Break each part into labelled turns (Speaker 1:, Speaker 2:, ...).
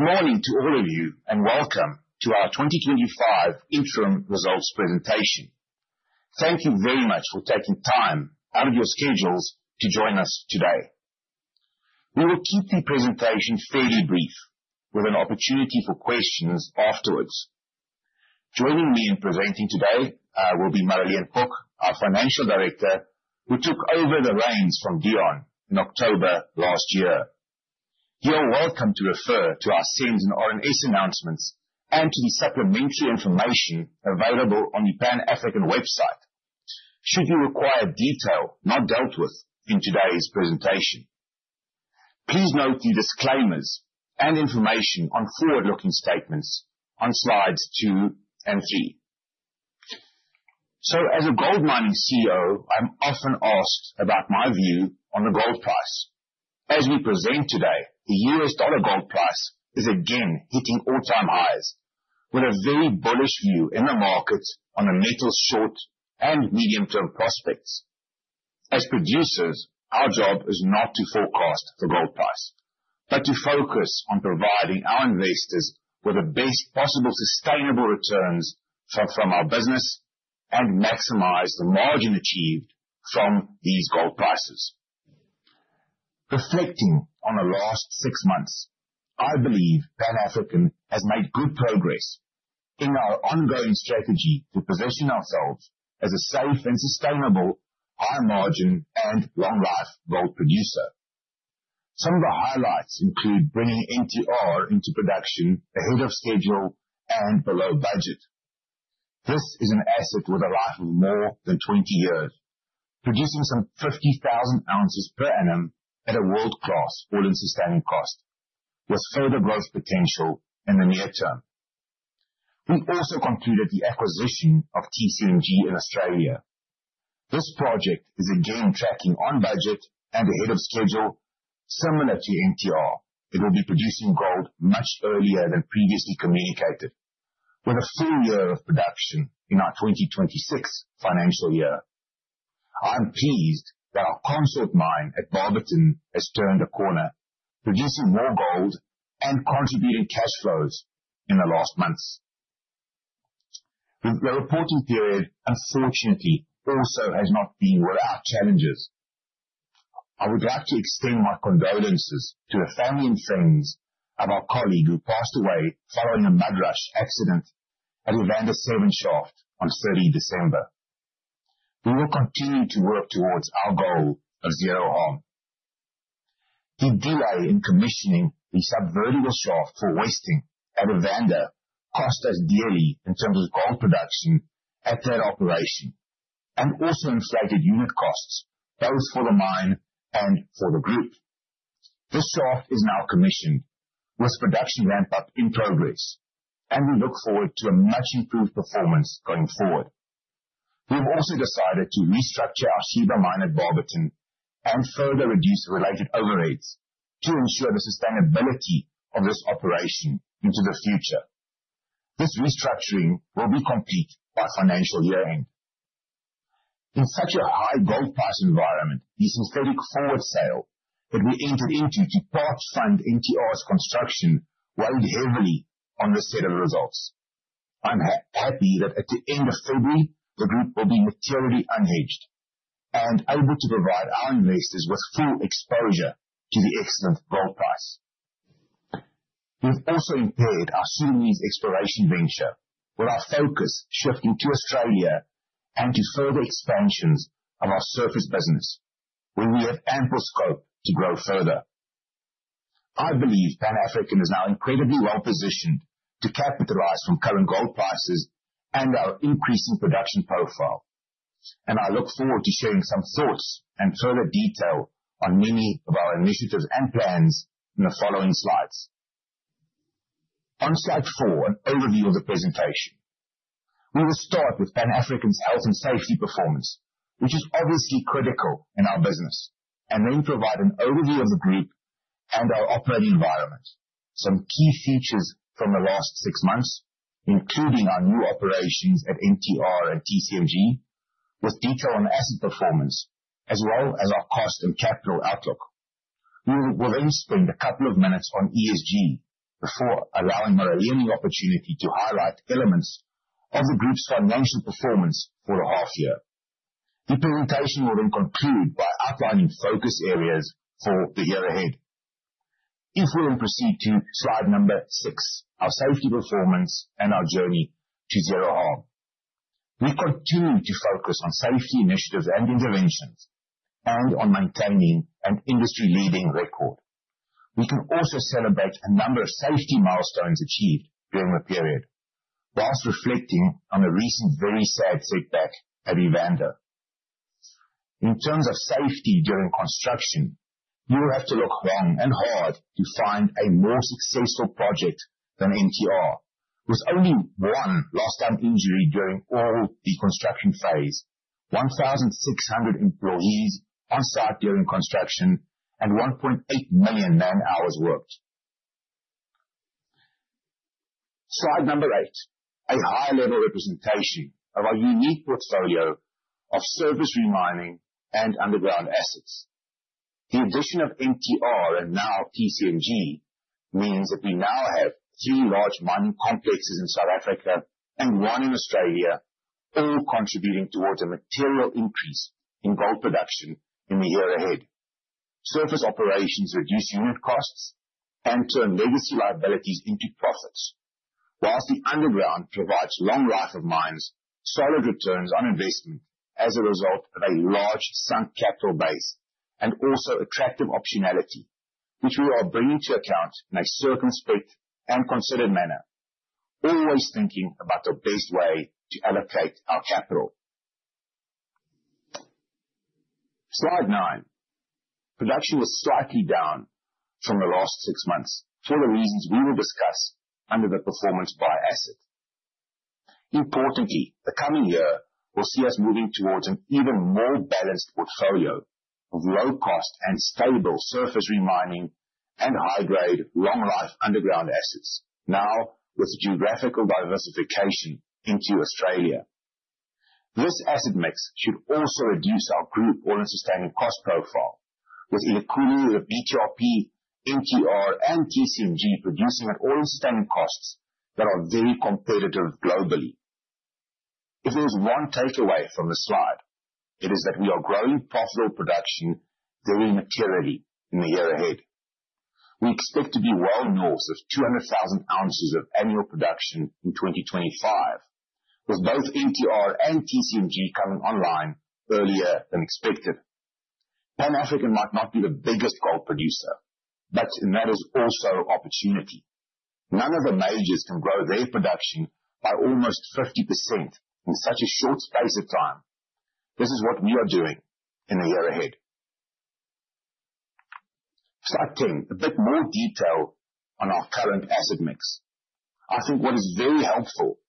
Speaker 1: Good morning to all of you, and Welcome to our 2025 Interim Results Presentation. Thank you very much for taking time out of your schedules to join us today. We will keep the presentation fairly brief, with an opportunity for questions afterwards. Joining me in presenting today will be Marileen Kok, our Financial Director, who took over the reins from Dion in October last year. You are welcome to refer to our SENS and RNS announcements and to the supplementary information available on the Pan African website should you require detail not dealt with in today's presentation. Please note the disclaimers and information on forward-looking statements on slides two and three. So, as a gold mining CEO, I'm often asked about my view on the gold price. As we present today, the US dollar gold price is again hitting all-time highs, with a very bullish view in the markets on the metal's short and medium-term prospects. As producers, our job is not to forecast the gold price, but to focus on providing our investors with the best possible sustainable returns from our business and maximize the margin achieved from these gold prices. Reflecting on the last six months, I believe Pan African has made good progress in our ongoing strategy to position ourselves as a safe and sustainable, high-margin and long-life gold producer. Some of the highlights include bringing MTR into production ahead of schedule and below budget. This is an asset with a life of more than 20 years, producing some 50,000 ounces per annum at a world-class all-in sustaining cost, with further growth potential in the near term. We also concluded the acquisition of TCMG in Australia. This project is again tracking on budget and ahead of schedule, similar to MTR. It will be producing gold much earlier than previously communicated, with a full year of production in our 2026 financial year. I'm pleased that our Consort Mine at Barberton has turned the corner, producing more gold and contributing cash flows in the last months. The reporting period, unfortunately, also has not been without challenges. I would like to extend my condolences to the family and friends of our colleague who passed away following a mud rush accident at Evander 7 Shaft on 30 December. We will continue to work towards our goal of zero harm. The delay in commissioning the Sub-vertical Shaft for hoisting at Evander cost us dearly in terms of gold production at that operation and also inflated unit costs, both for the mine and for the group. This shaft is now commissioned, with production ramp-up in progress, and we look forward to a much improved performance going forward. We have also decided to restructure our Sheba Mine at Barberton and further reduce related overheads to ensure the sustainability of this operation into the future. This restructuring will be complete by financial year-end. In such a high gold price environment, the synthetic forward sale that we entered into to part-fund MTR's construction weighed heavily on the set of results. I'm happy that at the end of February, the group will be materially unhedged and able to provide our investors with full exposure to the excellent gold price. We have also impaired our Sudanese exploration venture, with our focus shifting to Australia and to further expansions of our surface business, where we have ample scope to grow further. I believe Pan African is now incredibly well-positioned to capitalize from current gold prices and our increasing production profile, and I look forward to sharing some thoughts and further detail on many of our initiatives and plans in the following slides. On slide four, an overview of the presentation. We will start with Pan African's health and safety performance, which is obviously critical in our business, and then provide an overview of the group and our operating environment, some key features from the last six months, including our new operations at MTR and TCMG, with detail on asset performance, as well as our cost and capital outlook. We will then spend a couple of minutes on ESG before allowing Marilyn the opportunity to highlight elements of the group's financial performance for the half year. The presentation will then conclude by outlining focus areas for the year ahead. If we then proceed to slide number six, our safety performance and our journey to zero harm. We continue to focus on safety initiatives and interventions and on maintaining an industry-leading record. We can also celebrate a number of safety milestones achieved during the period, while reflecting on the recent very sad setback at Evander. In terms of safety during construction, you will have to look long and hard to find a more successful project than MTR, with only one lost time injury during all the construction phase, 1,600 employees on site during construction, and 1.8 million man-hours worked. Slide number eight, a high-level representation of our unique portfolio of surface remining and underground assets. The addition of MTR and now TCMG means that we now have three large mining complexes in South Africa and one in Australia, all contributing towards a material increase in gold production in the year ahead. Surface operations reduce unit costs and turn legacy liabilities into profits, while the underground provides long life of mines, solid returns on investment as a result of a large sunk capital base, and also attractive optionality, which we are bringing to account in a circumspect and considered manner, always thinking about the best way to allocate our capital. Slide nine, production was slightly down from the last six months for the reasons we will discuss under the performance by asset. Importantly, the coming year will see us moving towards an even more balanced portfolio of low-cost and stable surface remining and high-grade, long-life underground assets, now with geographical diversification into Australia. This asset mix should also reduce our group all-in sustaining cost profile, with the output of BTRP, MTR, and TCMG producing at all-in sustaining costs that are very competitive globally. If there is one takeaway from the slide, it is that we are growing profitable production very materially in the year ahead. We expect to be well north of 200,000 ounces of annual production in 2025, with both MTR and TCMG coming online earlier than expected. Pan African might not be the biggest gold producer, but that is also opportunity. None of the majors can grow their production by almost 50% in such a short space of time. This is what we are doing in the year ahead. Slide 10, a bit more detail on our current asset mix. I think what is very helpful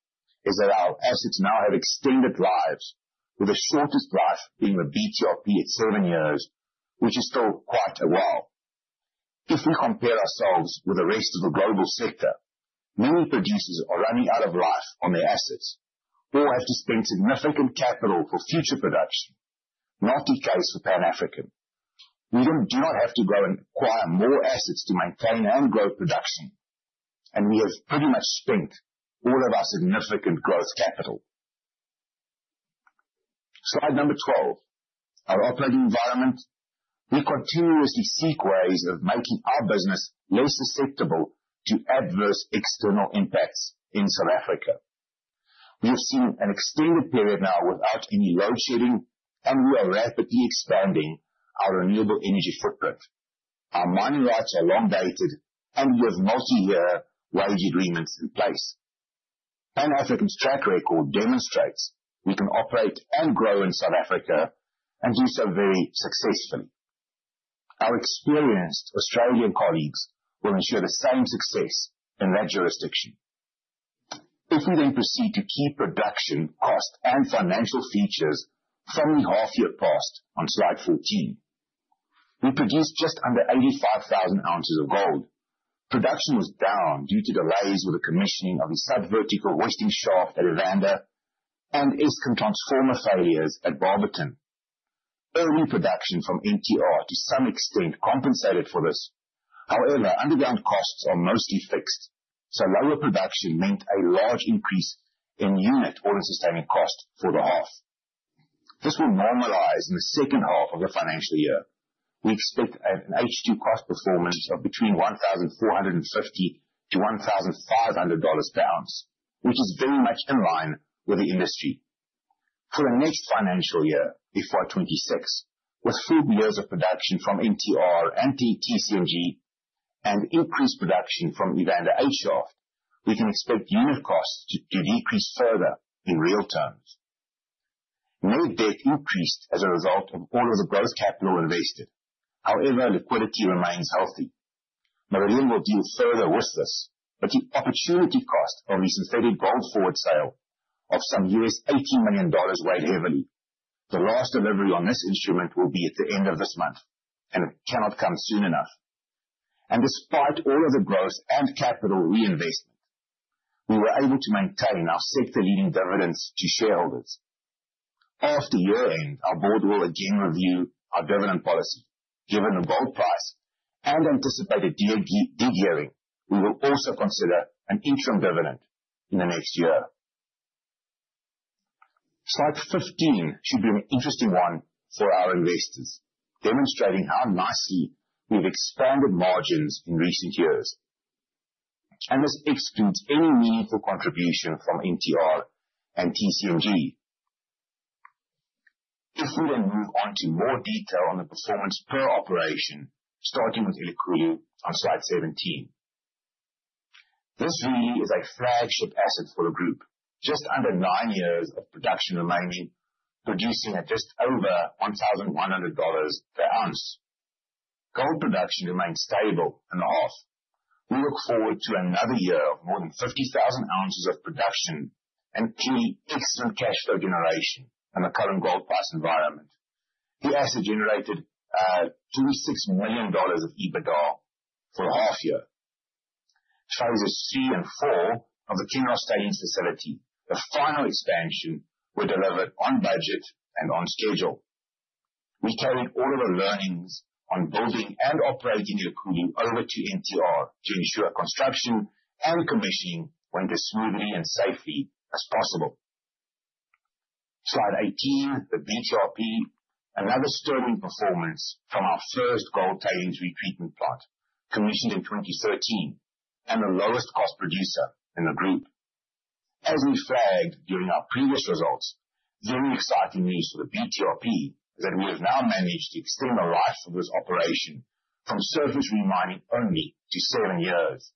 Speaker 1: is that our assets now have extended lives, with the shortest life being the BTRP at seven years, which is still quite a while. If we compare ourselves with the rest of the global sector, many producers are running out of life on their assets or have to spend significant capital for future production, not the case for Pan African. We do not have to go and acquire more assets to maintain and grow production, and we have pretty much spent all of our significant growth capital. Slide number 12, our operating environment. We continuously seek ways of making our business less susceptible to adverse external impacts in South Africa. We have seen an extended period now without any load shedding, and we are rapidly expanding our renewable energy footprint. Our mining rights are long-dated, and we have multi-year wage agreements in place. Pan African's track record demonstrates we can operate and grow in South Africa and do so very successfully. Our experienced Australian colleagues will ensure the same success in that jurisdiction. If we then proceed to key production, cost, and financial features from the half-year past, on slide 14, we produced just under 85,000 ounces of gold. Production was down due to delays with the commissioning of the sub-vertical hoisting shaft at Evander and Eskom transformer failures at Barberton. Early production from MTR to some extent compensated for this. However, underground costs are mostly fixed, so lower production meant a large increase in unit all-in sustaining cost for the half. This will normalize in the second half of the financial year. We expect an H2 cost performance of between $1,450 to $1,500 per ounce, which is very much in line with the industry. For the next financial year, FY26, with full years of production from MTR and TCMG and increased production from Evander 8 Shaft, we can expect unit costs to decrease further in real terms. Net debt increased as a result of all of the gross capital invested. However, liquidity remains healthy. Marilyn will deal further with this, but the opportunity cost of the synthetic gold forward sale of some $18 million weighed heavily. The last delivery on this instrument will be at the end of this month, and it cannot come soon enough. And despite all of the growth and capital reinvestment, we were able to maintain our sector-leading dividends to shareholders. After year-end, our board will again review our dividend policy. Given the gold price and anticipated degearing, we will also consider an interim dividend in the next year. Slide 15 should be an interesting one for our investors, demonstrating how nicely we've expanded margins in recent years, and this excludes any meaningful contribution from MTR and TCMG. If we then move on to more detail on the performance per operation, starting with Elikhulu on slide 17, this really is a flagship asset for the group. Just under nine years of production remaining, producing at just over $1,100 per ounce. Gold production remained stable in the half. We look forward to another year of more than 50,000 ounces of production and clearly excellent cash flow generation in the current gold price environment. The asset generated $26 million of EBITDA for the half year. Phases three and four of the Kinross TSF, the final expansion, were delivered on budget and on schedule. We carried all of the learnings on building and operating Elikhulu over to MTR to ensure construction and commissioning went as smoothly and safely as possible. Slide 18, the BTRP, another stunning performance from our first gold tailings retreatment plant, commissioned in 2013 and the lowest cost producer in the group. As we flagged during our previous results, very exciting news for the BTRP is that we have now managed to extend the life of this operation from surface remining only to seven years.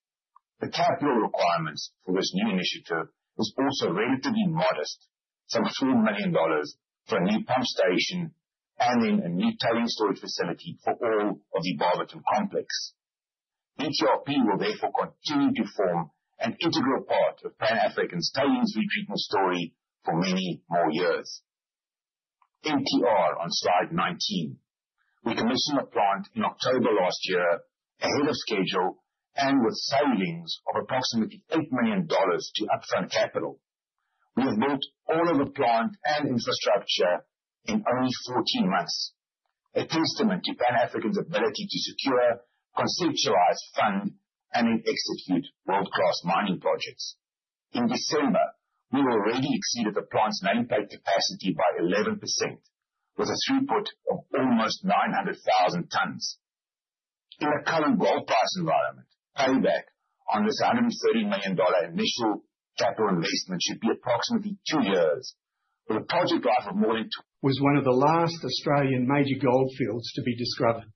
Speaker 1: The capital requirements for this new initiative are also relatively modest, some $4 million for a new pump station and then a new tailings storage facility for all of the Barberton complex. BTRP will therefore continue to form an integral part of Pan African's tailings retreatment story for many more years. MTR on slide 19, we commissioned the plant in October last year ahead of schedule and with savings of approximately $8 million to upfront capital. We have built all of the plant and infrastructure in only 14 months, a testament to Pan African's ability to secure, conceptualize, fund, and execute world-class mining projects. In December, we already exceeded the plant's manpower capacity by 11%, with a throughput of almost 900,000 tons. In the current gold price environment, payback on this $130 million initial capital investment should be approximately two years, with a project life of more than. Was one of the last Australian major gold fields to be discovered.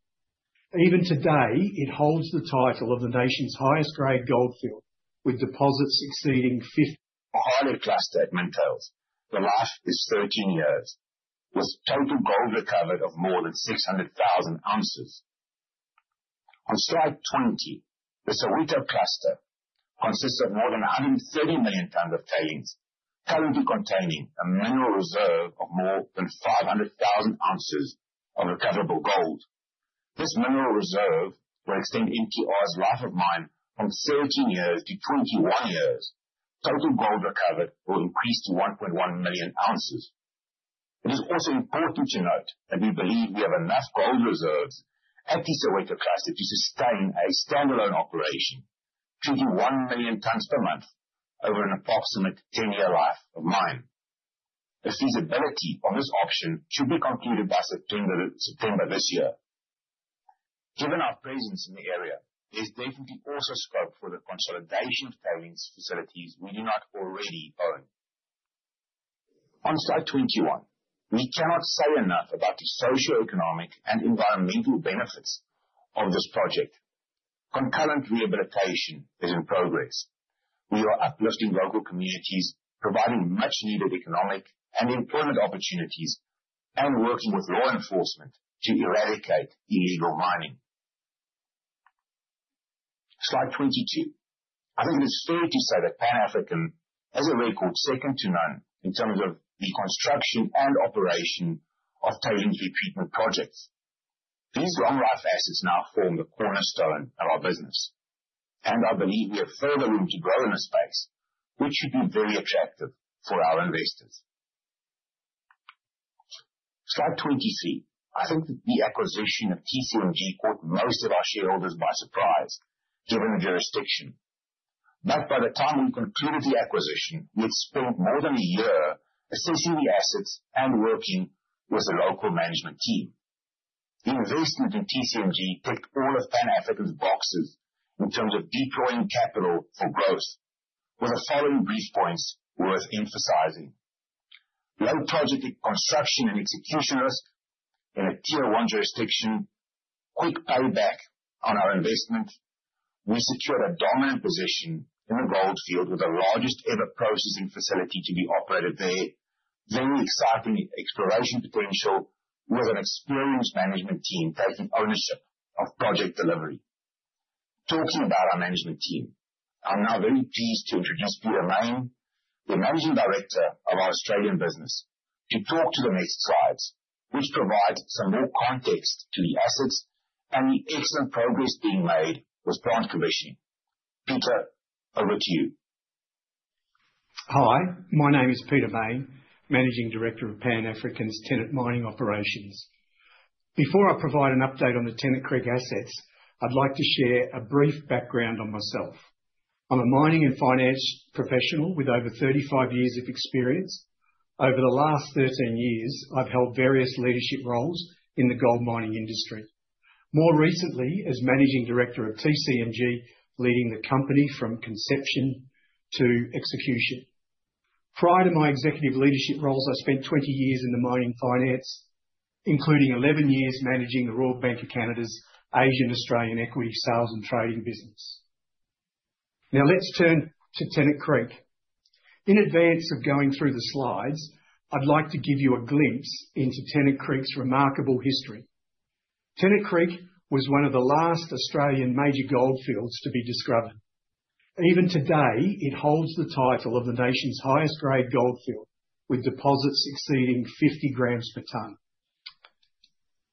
Speaker 1: Even today, it holds the title of the nation's highest-grade gold field, with deposits exceeding. The highland cluster at Mintails, the life is 13 years, with total gold recovered of more than 600,000 ounces. On slide 20, the Soweto cluster consists of more than 130 million tons of tailings, currently containing a mineral reserve of more than 500,000 ounces of recoverable gold. This mineral reserve will extend MTR's life of mine from 13 years to 21 years. Total gold recovered will increase to 1.1 million ounces. It is also important to note that we believe we have enough gold reserves at the Soweto cluster to sustain a standalone operation, 21 million tons per month, over an approximate 10-year life of mine. The feasibility on this option should be concluded by September this year. Given our presence in the area, there's definitely also scope for the consolidation of tailings facilities we do not already own. On slide 21, we cannot say enough about the socio-economic and environmental benefits of this project. Concurrent rehabilitation is in progress. We are uplifting local communities, providing much-needed economic and employment opportunities, and working with law enforcement to eradicate illegal mining. Slide 22, I think it is fair to say that Pan African is a record second to none in terms of the construction and operation of tailings retreatment projects. These long-life assets now form the cornerstone of our business, and I believe we have further room to grow in this space, which should be very attractive for our investors. Slide 23, I think that the acquisition of TCMG caught most of our shareholders by surprise, given the jurisdiction. But by the time we concluded the acquisition, we had spent more than a year assessing the assets and working with the local management team. The investment in TCMG ticked all of Pan African's boxes in terms of deploying capital for growth, with the following brief points worth emphasizing: low project construction and execution risk in a tier-one jurisdiction, quick payback on our investment. We secured a dominant position in the gold field with the largest ever processing facility to be operated there, very exciting exploration potential, with an experienced management team taking ownership of project delivery. Talking about our management team, I'm now very pleased to introduce Peter Main, the Managing Director of our Australian business, to talk to the next slides, which provides some more context to the assets and the excellent progress being made with plant commissioning. Peter, over to you.
Speaker 2: Hi, my name is Peter Main, Managing Director of Pan African's Tennant mining operations. Before I provide an update on the Tennant Creek assets, I'd like to share a brief background on myself. I'm a mining and finance professional with over 35 years of experience. Over the last 13 years, I've held various leadership roles in the gold mining industry, more recently as Managing Director of TCMG, leading the company from conception to execution. Prior to my executive leadership roles, I spent 20 years in the mining finance, including 11 years managing the Royal Bank of Canada's Asian Australian equity sales and trading business. Now let's turn to Tennant Creek. In advance of going through the slides, I'd like to give you a glimpse into Tennant Creek's remarkable history. Tennant Creek was one of the last Australian major gold fields to be discovered. Even today, it holds the title of the nation's highest-grade gold field, with deposits exceeding 50 grams per tonne.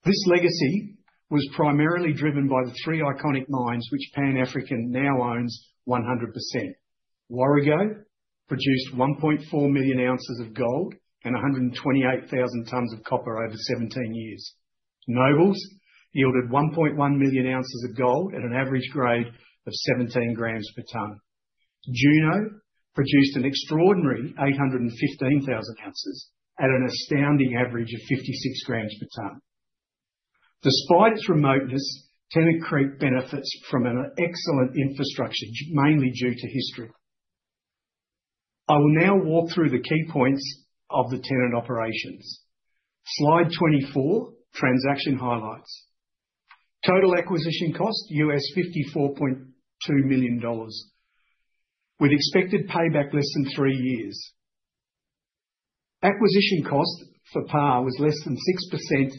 Speaker 2: This legacy was primarily driven by the three iconic mines which Pan African now owns 100%. Warrego produced 1.4 million ounces of gold and 128,000 tonnes of copper over 17 years. Nobles yielded 1.1 million ounces of gold at an average grade of 17 grams per tonne. Juno produced an extraordinary 815,000 ounces at an astounding average of 56 grams per tonne. Despite its remoteness, Tennant Creek benefits from an excellent infrastructure, mainly due to history. I will now walk through the key points of the Tennant operations. Slide 24, transaction highlights. Total acquisition cost, $54.2 million, with expected payback less than three years. Acquisition cost for PAR was less than 6%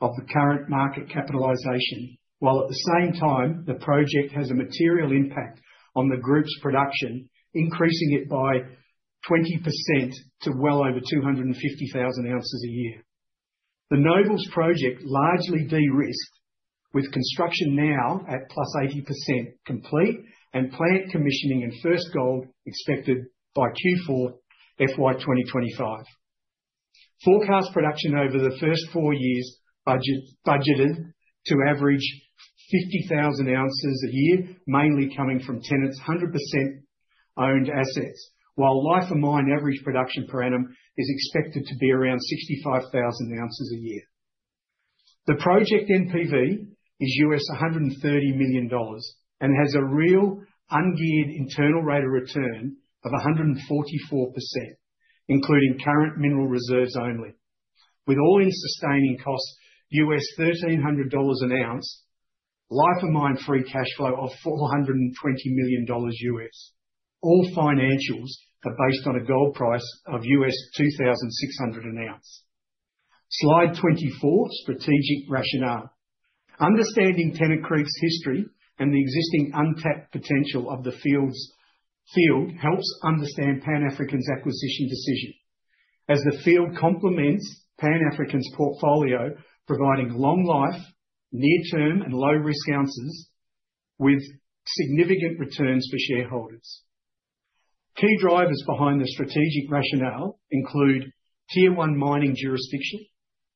Speaker 2: of the current market capitalization, while at the same time, the project has a material impact on the group's production, increasing it by 20% to well over 250,000 ounces a year. The Nobles project largely de-risked, with construction now at plus 80% complete and plant commissioning and first gold expected by Q4 FY2025. Forecast production over the first four years budgeted to average 50,000 ounces a year, mainly coming from Tennant's 100% owned assets, while life of mine average production per annum is expected to be around 65,000 ounces a year. The project NPV is $130 million and has a real ungeared internal rate of return of 144%, including current mineral reserves only, with all in sustaining costs, $1,300 an ounce, life of mine free cash flow of $420 million. All financials are based on a gold price of $2,600 an ounce. Slide 24, strategic rationale. Understanding Tennant Creek's history and the existing untapped potential of the field helps understand Pan African's acquisition decision, as the field complements Pan African's portfolio, providing long-life, near-term, and low-risk ounces with significant returns for shareholders. Key drivers behind the strategic rationale include tier-one mining jurisdiction,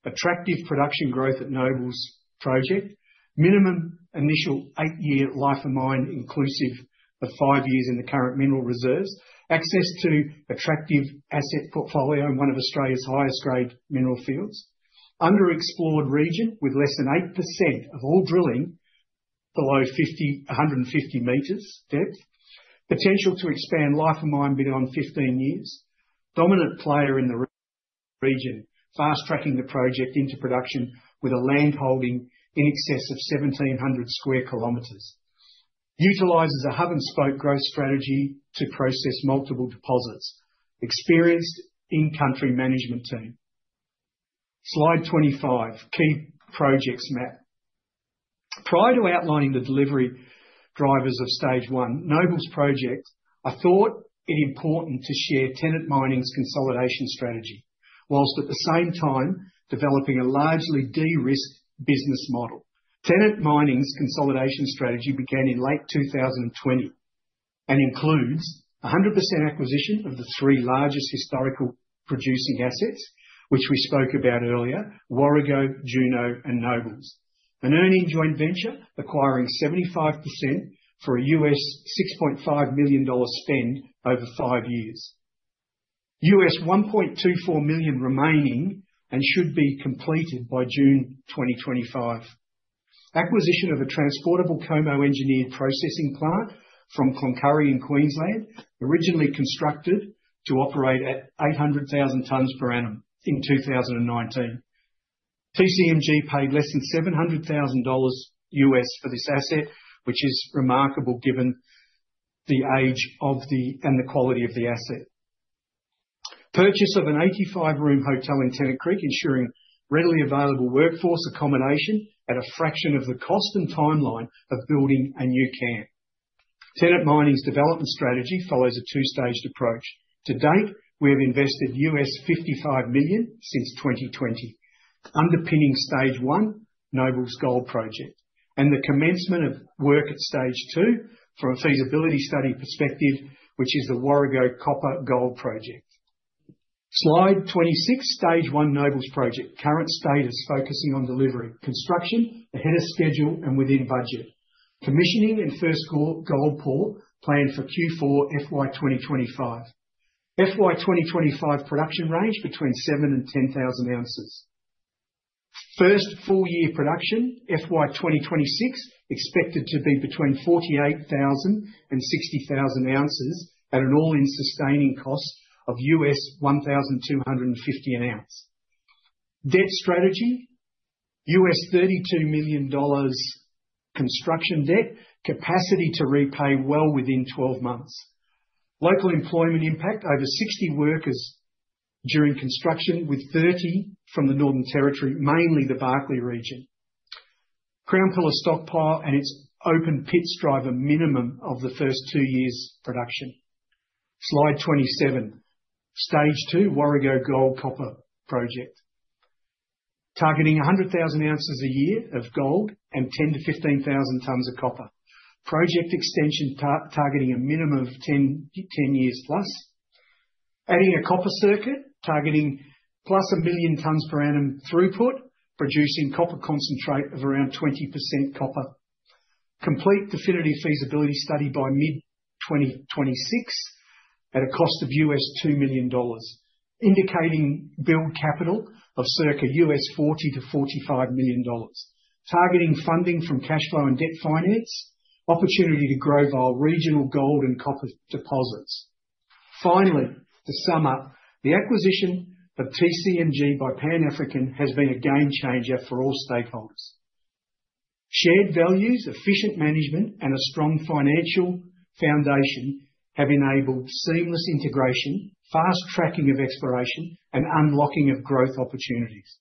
Speaker 2: attractive production growth at Nobles project, minimum initial eight-year life of mine inclusive of five years in the current mineral reserves, access to attractive asset portfolio in one of Australia's highest-grade mineral fields, underexplored region with less than 8% of all drilling below 150 meters depth, potential to expand life of mine beyond 15 years, dominant player in the region, fast-tracking the project into production with a land holding in excess of 1,700 square kilometers, utilizes a hub-and-spoke growth strategy to process multiple deposits, experienced in-country management team. Slide 25, key projects map. Prior to outlining the delivery drivers of stage one, Nobles project, I thought it important to share Tennant mining's consolidation strategy, while at the same time developing a largely de-risked business model. Tennant mining's consolidation strategy began in late 2020 and includes 100% acquisition of the three largest historical producing assets, which we spoke about earlier, Warrego, Juno, and Nobles, an earning joint venture acquiring 75% for a $6.5 million spend over five years, $1.24 million remaining and should be completed by June 2025, acquisition of a transportable Como engineered processing plant from Cloncurry in Queensland, originally constructed to operate at 800,000 tonnes per annum in 2019. TCMG paid less than $700,000 for this asset, which is remarkable given the age and the quality of the asset. Purchase of an 85-room hotel in Tennant Creek, ensuring readily available workforce accommodation at a fraction of the cost and timeline of building a new camp. Tennant mining's development strategy follows a two-staged approach. To date, we have invested $55 million since 2020, underpinning stage one, Nobles gold project, and the commencement of work at stage two from a feasibility study perspective, which is the Warrego copper gold project. Slide 26, stage one, Nobles project, current status focusing on delivery. Construction ahead of schedule and within budget. Commissioning and first gold pour planned for Q4 FY2025. FY2025 production range between seven and 10,000 ounces. First full year production FY2026 expected to be between 48,000 and 60,000 ounces at an all-in sustaining cost of $1,250 an ounce. Debt strategy, $32 million construction debt, capacity to repay well within 12 months. Local employment impact over 60 workers during construction with 30 from the Northern Territory, mainly the Barkly region. Crown Pillar stockpile and its open pits drive a minimum of the first two years' production. Slide 27, stage two, Warrego gold copper project, targeting 100,000 ounces a year of gold and 10-15,000 tonnes of copper, project extension targeting a minimum of 10 years plus, adding a copper circuit targeting plus a million tonnes per annum throughput, producing copper concentrate of around 20% copper, complete definitive feasibility study by mid-2026 at a cost of $2 million, indicating build capital of circa $40-$45 million, targeting funding from cash flow and debt finance, opportunity to grow via regional gold and copper deposits. Finally, to sum up, the acquisition of TCMG by Pan African has been a game changer for all stakeholders. Shared values, efficient management, and a strong financial foundation have enabled seamless integration, fast tracking of exploration, and unlocking of growth opportunities.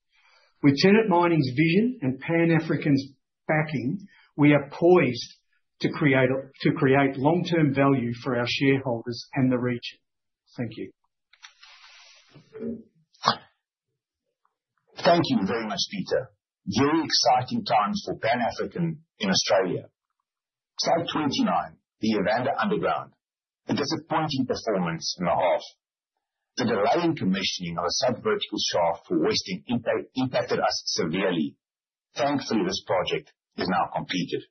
Speaker 2: With Tennant Mining's vision and Pan African's backing, we are poised to create long-term value for our shareholders and the region. Thank you.
Speaker 1: Thank you very much, Peter. Very exciting times for Pan African in Australia. Slide 29, the Evander Underground, a disappointing performance in the half. The delay in commissioning of a Sub-vertical shaft for hoisting impacted us severely. Thankfully, this project is now completed.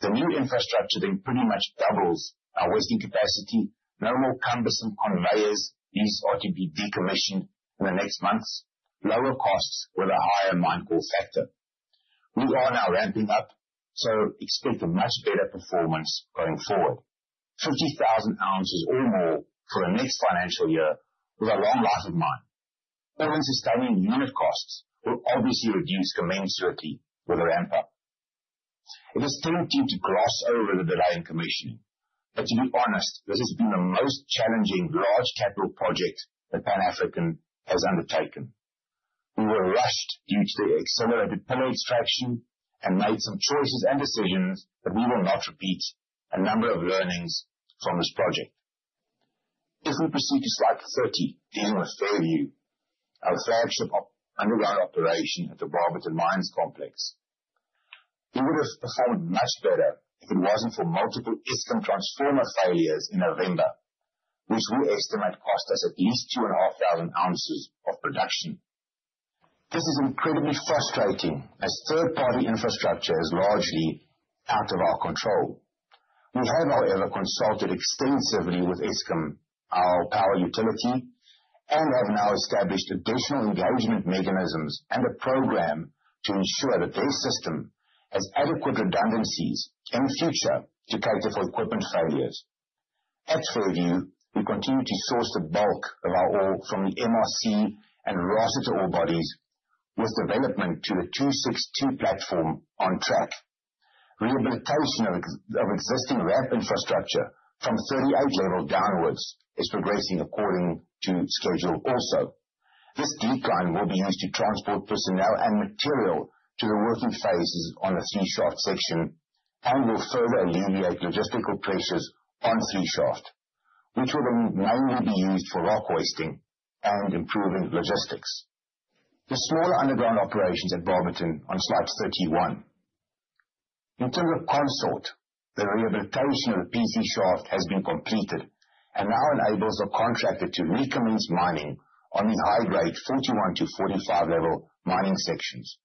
Speaker 1: The new infrastructure then pretty much doubles our hoisting capacity. No more cumbersome conveyors. These are to be decommissioned in the next months. Lower costs with a higher mine call factor. We are now ramping up, so expect a much better performance going forward. 50,000 ounces or more for the next financial year with a long life of mine. All in sustaining unit costs will obviously reduce commensurately with the ramp-up. It is tempting to gloss over the delay in commissioning, but to be honest, this has been the most challenging large capital project that Pan African has undertaken. We were rushed due to the accelerated pillar extraction and made some choices and decisions that we will not repeat a number of learnings from this project. If we proceed to slide 30, dealing with Fairview, our flagship underground operation at the Barberton Mines Complex, we would have performed much better if it wasn't for multiple Eskom transformer failures in November, which we estimate cost us at least 2,500 ounces of production. This is incredibly frustrating as third-party infrastructure is largely out of our control. We have, however, consulted extensively with Eskom, our power utility, and have now established additional engagement mechanisms and a program to ensure that their system has adequate redundancies in future to cater for equipment failures. At Fairview, we continue to source the bulk of our ore from the MRC and Rossiter ore bodies with development to the 26 Level platform on track. Rehabilitation of existing ramp infrastructure from 38 Level downwards is progressing according to schedule also. This decline will be used to transport personnel and material to the working phases on the 3 Shaft section and will further alleviate logistical pressures on 3 Shaft, which will then mainly be used for rock wasting and improving logistics. The smaller underground operations at Barberton on slide 31. In terms of Consort, the rehabilitation of the PC Shaft has been completed and now enables the contractor to recommence mining on the high-grade 41-45 level mining sections.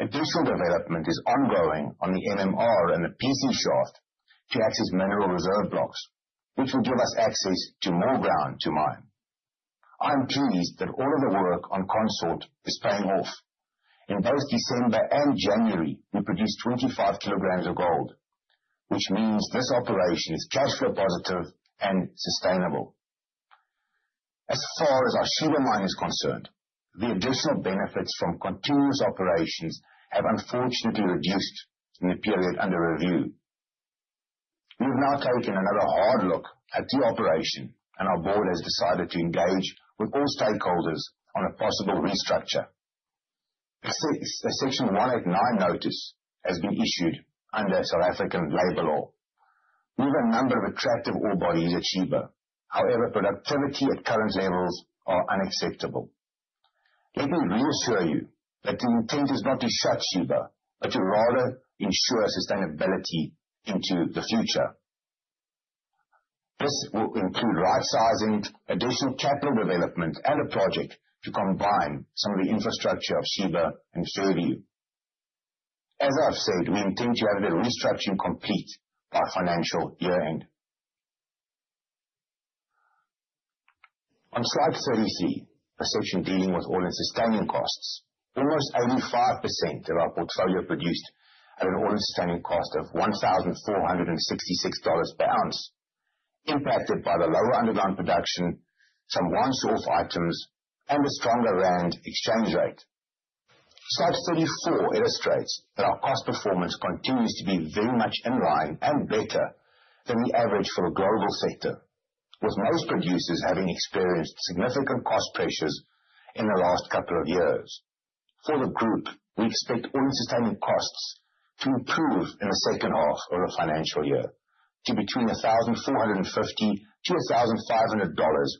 Speaker 1: Additional development is ongoing on the MRC and the PC Shaft to access mineral reserve blocks, which will give us access to more ground to mine. I'm pleased that all of the work on Consort is paying off. In both December and January, we produced 25 kilograms of gold, which means this operation is cash flow positive and sustainable. As far as our Sheba Mine is concerned, the additional benefits from continuous operations have unfortunately reduced in the period under review. We have now taken another hard look at the operation, and our board has decided to engage with all stakeholders on a possible restructure. A Section 189 notice has been issued under South African Labor Law. We have a number of attractive ore bodies at Sheba. However, productivity at current levels is unacceptable. Let me reassure you that the intent is not to shut Sheba, but to rather ensure sustainability into the future. This will include right-sizing, additional capital development, and a project to combine some of the infrastructure of Sheba and Fairview. As I've said, we intend to have the restructuring complete by financial year-end. On slide 33, a section dealing with all-in sustaining costs, almost 85% of our portfolio produced at an all-in sustaining cost of $1,466 per ounce, impacted by the lower underground production, some one-off items, and a stronger rand exchange rate. Slide 34 illustrates that our cost performance continues to be very much in line and better than the average for the global sector, with most producers having experienced significant cost pressures in the last couple of years. For the group, we expect all-in sustaining costs to improve in the second half of the financial year to between $1,450-$1,500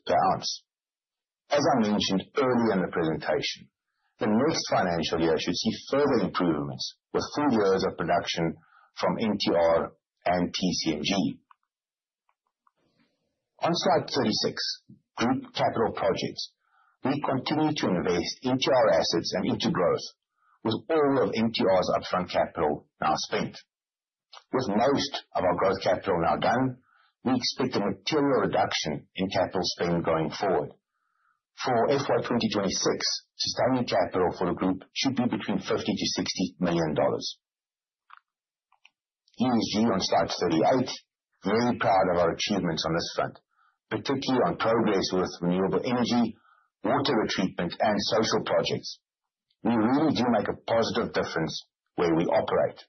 Speaker 1: per ounce. As I mentioned earlier in the presentation, the next financial year should see further improvements with full years of production from MTR and TCMG. On slide 36, group capital projects, we continue to invest into our assets and into growth with all of MTR's upfront capital now spent. With most of our growth capital now done, we expect a material reduction in capital spend going forward. For FY2026, sustaining capital for the group should be between $50-$60 million. ESG, on slide 38, very proud of our achievements on this front, particularly on progress with renewable energy, water retreatment, and social projects. We really do make a positive difference where we operate.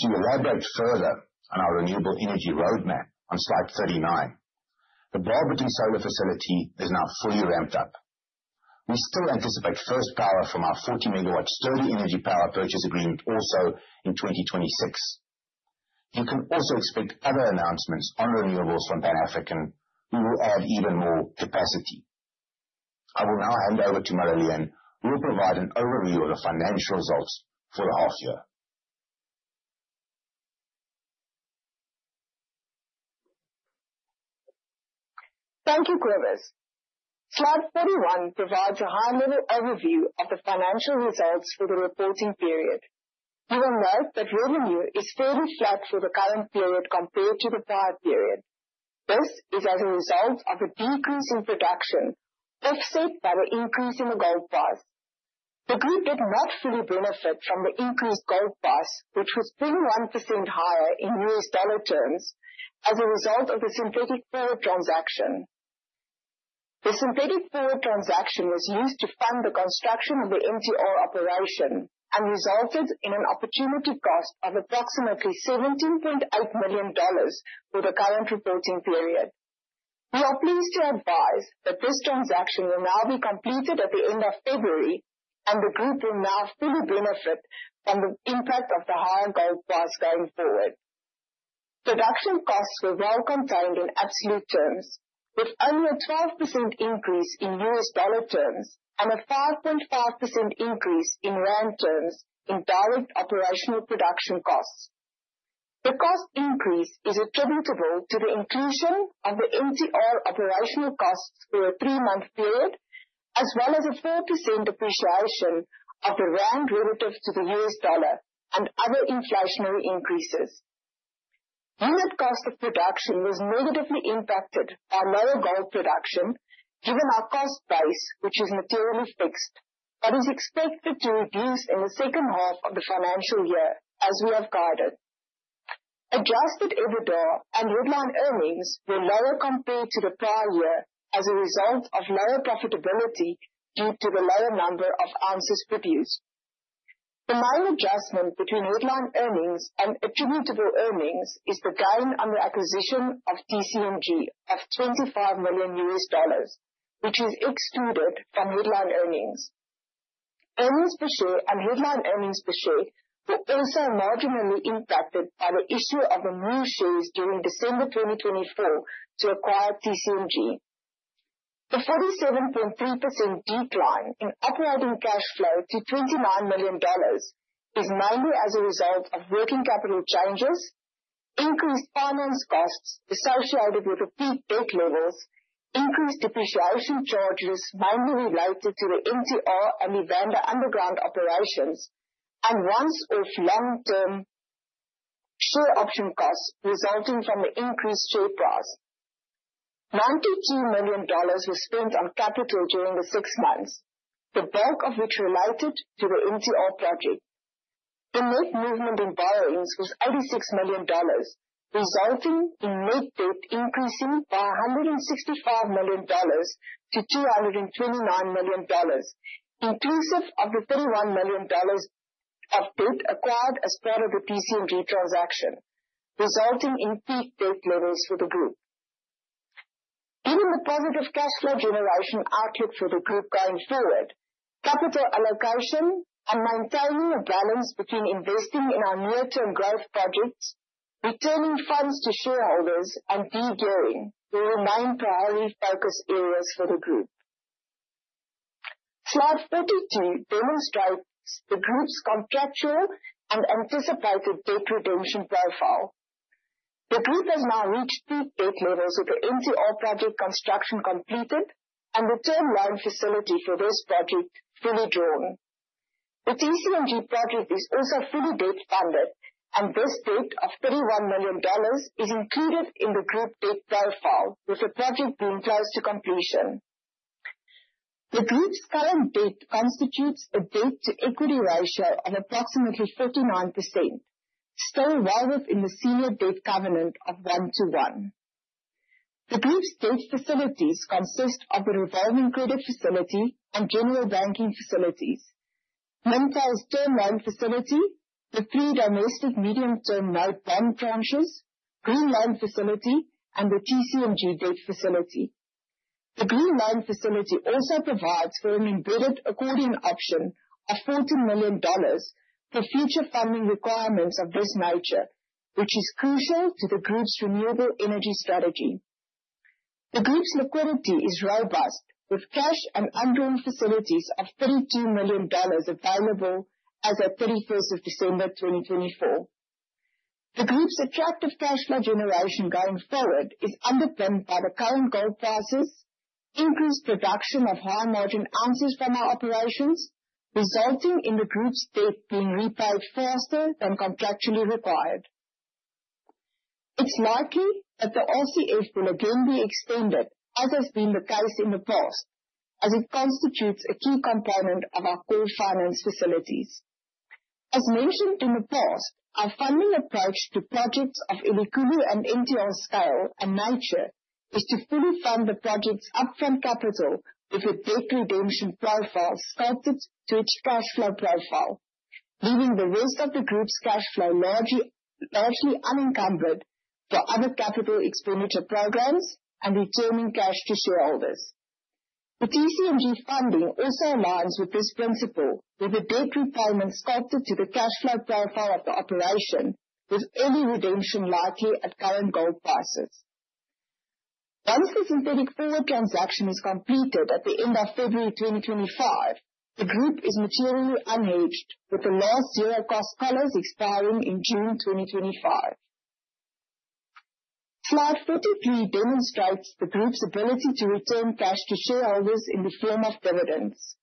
Speaker 1: To elaborate further on our renewable energy roadmap on Slide 39, the Barberton solar facility is now fully ramped up. We still anticipate first power from our 40-megawatt Sturdee Energy power purchase agreement also in 2026. You can also expect other announcements on renewables from Pan African who will add even more capacity. I will now hand over to Marilyn, who will provide an overview of the financial results for the half year.
Speaker 3: Thank you, Cobus. Slide 41 provides a high-level overview of the financial results for the reporting period. You will note that revenue is fairly flat for the current period compared to the prior period. This is as a result of a decrease in production offset by the increase in the gold price. The group did not fully benefit from the increased gold price, which was 31% higher in US dollar terms as a result of the synthetic pool transaction. The synthetic pool transaction was used to fund the construction of the MTR operation and resulted in an opportunity cost of approximately $17.8 million for the current reporting period. We are pleased to advise that this transaction will now be completed at the end of February, and the group will now fully benefit from the impact of the higher gold price going forward. Production costs were well contained in absolute terms, with only a 12% increase in US dollar terms and a 5.5% increase in rand terms in direct operational production costs. The cost increase is attributable to the inclusion of the MTR operational costs for a three-month period, as well as a 4% appreciation of the rand relative to the U.S. dollar and other inflationary increases. Unit cost of production was negatively impacted by lower gold production, given our cost price, which is materially fixed, but is expected to reduce in the second half of the financial year as we have guided. Adjusted EBITDA and headline earnings were lower compared to the prior year as a result of lower profitability due to the lower number of ounces produced. The main adjustment between headline earnings and attributable earnings is the gain on the acquisition of TCMG of $25 million, which is excluded from headline earnings. Earnings per share and headline earnings per share were also marginally impacted by the issue of the new shares during December 2024 to acquire TCMG. The 47.3% decline in operating cash flow to $29 million is mainly as a result of working capital changes, increased finance costs associated with the peak debt levels, increased depreciation charge risk mainly related to the MTR and Evander Underground operations, and once-off long-term share option costs resulting from the increased share price. $92 million was spent on capital during the six months, the bulk of which related to the MTR project. The net movement in borrowings was $86 million, resulting in net debt increasing by $165 million to $229 million, inclusive of the $31 million of debt acquired as part of the TCMG transaction, resulting in peak debt levels for the group. Given the positive cash flow generation outlook for the group going forward, capital allocation and maintaining a balance between investing in our near-term growth projects, returning funds to shareholders, and degearing will remain priority focus areas for the group. Slide 42 demonstrates the group's contractual and anticipated debt redemption profile. The group has now reached peak debt levels with the MTR project construction completed and the term line facility for this project fully drawn. The TCMG project is also fully debt funded, and this debt of $31 million is included in the group debt profile with the project being close to completion. The group's current debt constitutes a debt-to-equity ratio of approximately 49%, still well within the senior debt covenant of 1 to 1. The group's debt facilities consist of the revolving credit facility and general banking facilities, Mintails term line facility, the three domestic medium-term note bond tranches, Greenland facility, and the TCMG debt facility. The Greenland facility also provides for an embedded accordion option of $40 million for future funding requirements of this nature, which is crucial to the group's renewable energy strategy. The group's liquidity is robust, with cash and undrawn facilities of $32 million available as of 31st of December 2024. The group's attractive cash flow generation going forward is underpinned by the current gold prices, increased production of high margin ounces from our operations, resulting in the group's debt being repaid faster than contractually required. It's likely that the RCF will again be extended, as has been the case in the past, as it constitutes a key component of our core finance facilities. As mentioned in the past, our funding approach to projects of illiquidity and MTR scale and nature is to fully fund the project's upfront capital with a debt redemption profile sculpted to its cash flow profile, leaving the rest of the group's cash flow largely unencumbered for other capital expenditure programs and returning cash to shareholders. The TCMG funding also aligns with this principle, with the debt repayment sculpted to the cash flow profile of the operation, with early redemption likely at current gold prices. Once the synthetic forward sale transaction is completed at the end of February 2025, the group is materially unhedged, with the last zero cost collars expiring in June 2025. Slide 43 demonstrates the group's ability to return cash to shareholders in the form of dividends.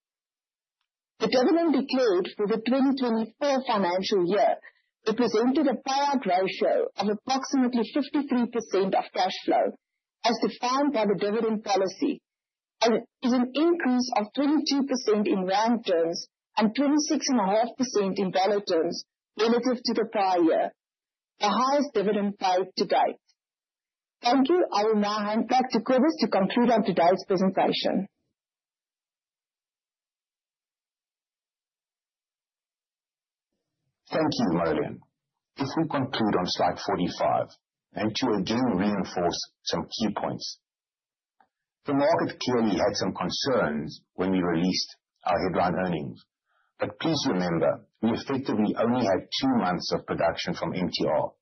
Speaker 3: The dividend declared for the 2024 financial year represented a payout ratio of approximately 53% of cash flow, as defined by the dividend policy, and is an increase of 22% in ramp terms and 26.5% in dollar terms relative to the prior year, the highest dividend paid to date. Thank you. I will now hand back to Cobus Loots to conclude on today's presentation.
Speaker 1: Thank you, Marilyn. Before we conclude on slide 45, I want to again reinforce some key points. The market clearly had some concerns when we released our headline earnings, but please remember we effectively only had two months of production from MTR.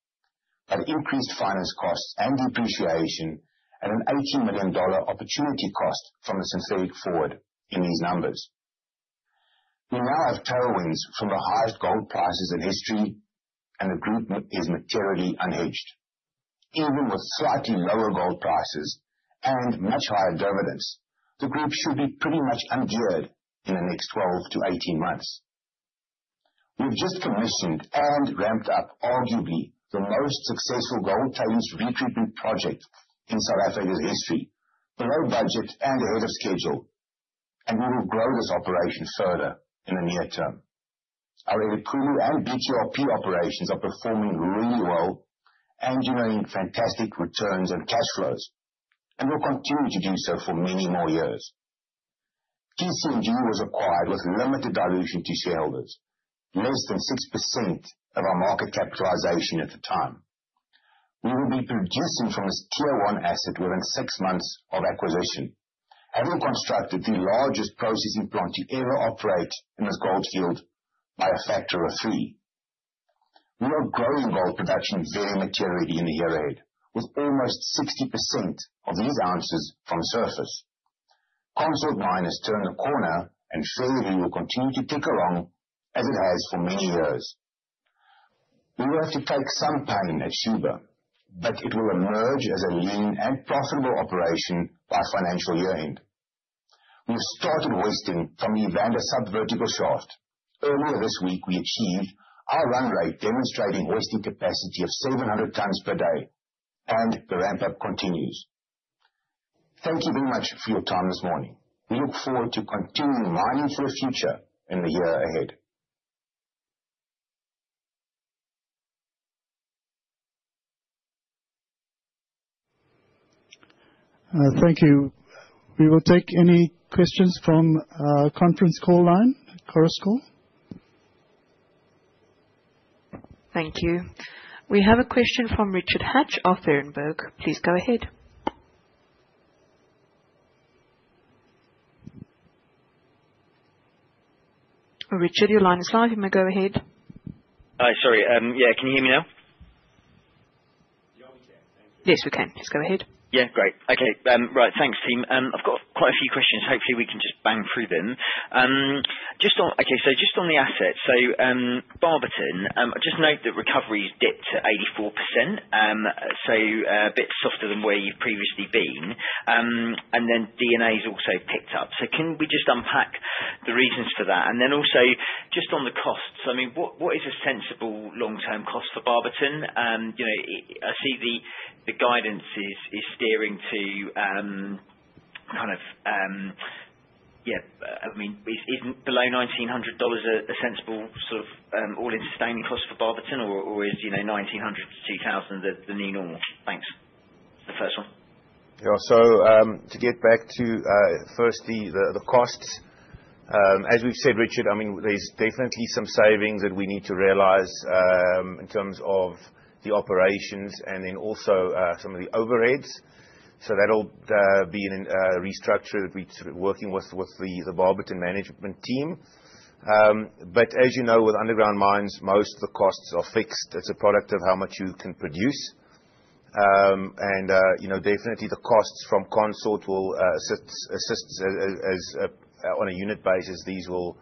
Speaker 1: That increased finance costs and depreciation at an $18 million opportunity cost from the synthetic forward in these numbers. We now have tailwinds from the highest gold prices in history, and the group is materially unhedged. Even with slightly lower gold prices and much higher dividends, the group should be pretty much ungeared in the next 12 to 18 months. We have just commissioned and ramped up arguably the most successful gold tailings retreatment project in South Africa's history, below budget and ahead of schedule, and we will grow this operation further in the near term. Our Elikhulu and BTRP operations are performing really well and generating fantastic returns and cash flows, and will continue to do so for many more years. TCMG was acquired with limited dilution to shareholders, less than 6% of our market capitalization at the time. We will be producing from this tier one asset within six months of acquisition, having constructed the largest processing plant to ever operate in this gold field by a factor of three. We are growing gold production very materially in the year ahead, with almost 60% of these ounces from surface. Consort Mine turns the corner, and Fairview will continue to tick along as it has for many years. We will have to take some pain at Sheba, but it will emerge as a lean and profitable operation by financial year end. We have started hoisting from the Evander sub-vertical shaft. Earlier this week, we achieved our run rate, demonstrating hoisting capacity of 700 tons per day, and the ramp-up continues. Thank you very much for your time this morning. We look forward to continuing mining for the future in the year ahead. Thank you. We will take any questions from our conference call line, Chorus Call.
Speaker 4: Thank you. We have a question from Richard Hatch of Berenberg. Please go ahead. Richard, your line is live. You may go ahead.
Speaker 5: Hi, sorry. Yeah, can you hear me now?
Speaker 4: Yes, we can. Let's go ahead.
Speaker 5: Yeah, great. Okay. Right. Thanks, team. I've got quite a few questions. Hopefully, we can just bang through them. Okay. So just on the assets, so Barberton, I just note that recovery is dipped to 84%, so a bit softer than where you've previously been, and then DNA has also picked up. So can we just unpack the reasons for that? And then also just on the costs, I mean, what is a sensible long-term cost for Barberton? I see the guidance is steering to kind of, yeah, I mean, is below $1,900 a sensible sort of all-in sustaining cost for Barberton, or is $1,900-$2,000 the new normal? Thanks. The first one. Yeah.
Speaker 1: To get back to first the costs, as we've said, Richard, I mean, there's definitely some savings that we need to realize in terms of the operations and then also some of the overheads. That'll be in a restructure that we're working with the Barberton management team. But as you know, with underground mines, most of the costs are fixed. It's a product of how much you can produce. And definitely, the costs from Consort will assist on a unit basis. These will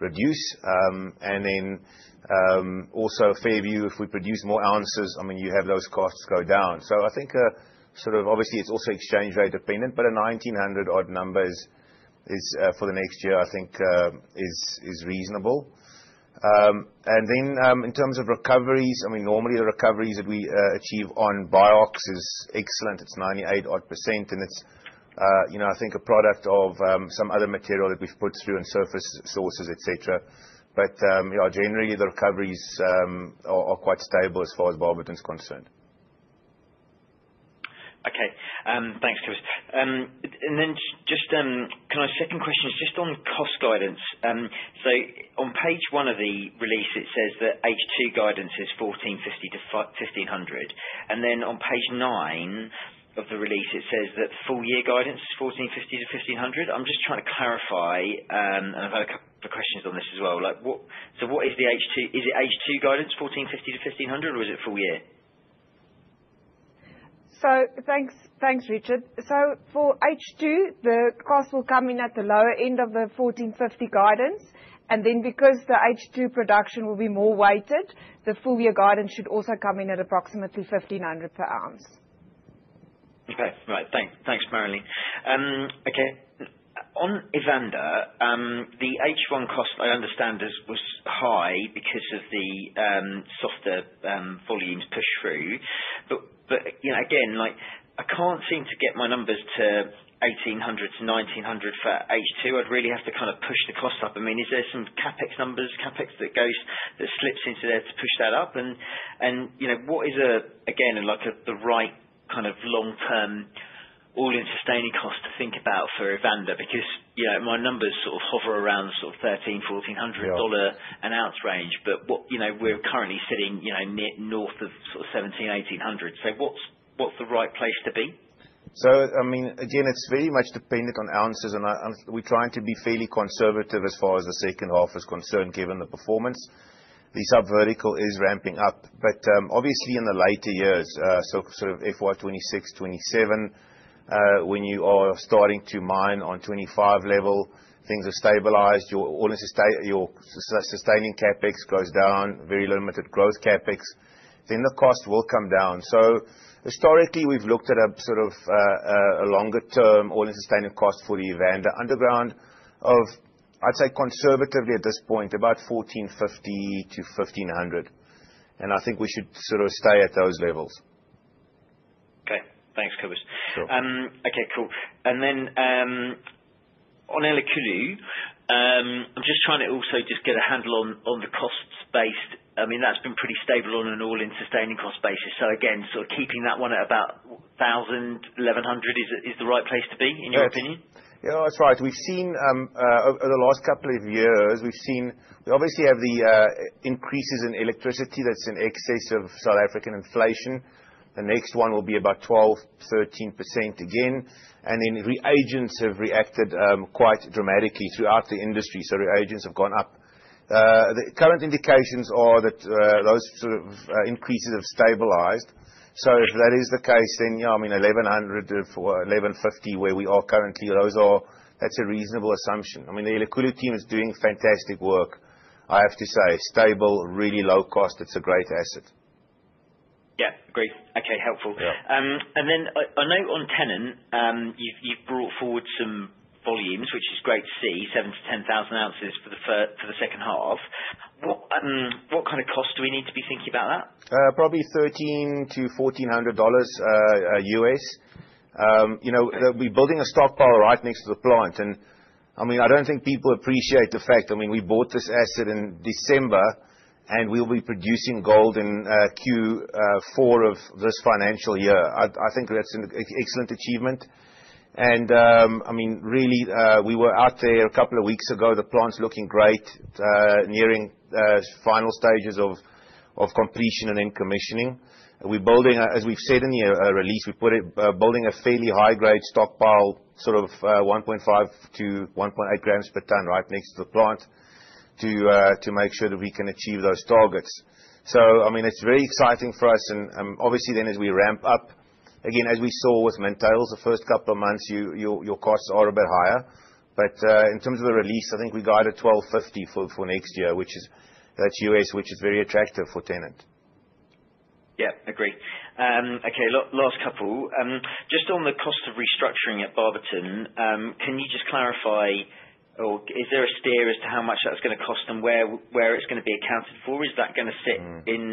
Speaker 1: reduce. And then also Fairview, if we produce more ounces, I mean, you have those costs go down. So I think sort of obviously, it's also exchange rate dependent, but a $1,900 odd number for the next year, I think, is reasonable. And then in terms of recoveries, I mean, normally the recoveries that we achieve on BIOX is excellent. It's 98-odd%, and it's, I think, a product of some other material that we've put through and surface sources, etc. But generally, the recoveries are quite stable as far as Barberton's concerned.
Speaker 5: Okay. Thanks, Cobus. And then just, can I ask a second question just on cost guidance? So on page one of the release, it says that H2 guidance is $1,450-$1,500. And then on page nine of the release, it says that full year guidance is $1,450-$1,500. I'm just trying to clarify, and I've had a couple of questions on this as well. So what is the H2? Is it H2 guidance $1,450-$1,500, or is it full year?
Speaker 3: Thanks, Richard. So for H2, the cost will come in at the lower end of the $1,450 guidance. And then because the H2 production will be more weighted, the full year guidance should also come in at approximately $1,500 per ounce.
Speaker 5: Okay. Right. Thanks, Marilyn. Okay. On Evander, the H1 cost, I understand, was high because of the softer volumes pushed through. But again, I can't seem to get my numbers to $1,800-$1,900 for H2. I'd really have to kind of push the cost up. I mean, is there some CapEx numbers, CapEx that goes that slips into there to push that up? And what is, again, the right kind of long-term all-in sustaining cost to think about for Evander? Because my numbers sort of hover around sort of $1,300-$1,400 dollar an ounce range, but we're currently sitting north of sort of $1,700-$1,800. So what's the right place to be?
Speaker 1: So I mean, again, it's very much dependent on ounces, and we're trying to be fairly conservative as far as the second half is concerned given the performance. The subvertical is ramping up, but obviously in the later years, so sort of FY 26, 27, when you are starting to mine on 25 level, things are stabilized, your sustaining CapEx goes down, very limited growth CapEx, then the cost will come down. So historically, we've looked at a sort of a longer-term all-in sustaining cost for the Evander underground of, I'd say, conservatively at this point, about $1,450-$1,500. And I think we should sort of stay at those levels.
Speaker 5: Okay. Thanks, Cobus. Okay. Cool. And then on Elikhulu, I'm just trying to also just get a handle on the cost base. I mean, that's been pretty stable on an all-in sustaining cost basis. So again, sort of keeping that one at about 1,000-1,100 is the right place to be in your opinion?
Speaker 1: Yeah. That's right. Over the last couple of years, we've seen we obviously have the increases in electricity that's in excess of South African inflation. The next one will be about 12%-13% again. And then reagents have reacted quite dramatically throughout the industry. So reagents have gone up. The current indications are that those sort of increases have stabilized. So if that is the case, then yeah, I mean, 1,100-1,150 where we are currently, that's a reasonable assumption. I mean, the Elikhulu team is doing fantastic work, I have to say. Stable, really low cost. It's a great asset.
Speaker 5: Yeah. Great. Okay. Helpful. And then I know on Tennant, you've brought forward some volumes, which is great to see, 7-10 thousand ounces for the second half. What kind of costs do we need to be thinking about that?
Speaker 1: Probably $1,300-$1,400. We're building a stockpile right next to the plant. And I mean, I don't think people appreciate the fact, I mean, we bought this asset in December, and we'll be producing gold in Q4 of this financial year. I think that's an excellent achievement. And I mean, really, we were out there a couple of weeks ago. The plant's looking great, nearing final stages of completion and then commissioning. As we've said in the release, we're building a fairly high-grade stockpile sort of 1.5-1.8 grams per ton right next to the plant to make sure that we can achieve those targets. So I mean, it's very exciting for us. And obviously, then as we ramp up, again, as we saw with Mintails the first couple of months, your costs are a bit higher. But in terms of the release, I think we guided $1,250 for next year, which is that's US, which is very attractive for Tennant.
Speaker 5: Yeah. Agree. Okay. Last couple. Just on the cost of restructuring at Barberton, can you just clarify, or is there a steer as to how much that's going to cost and where it's going to be accounted for? Is that going to sit in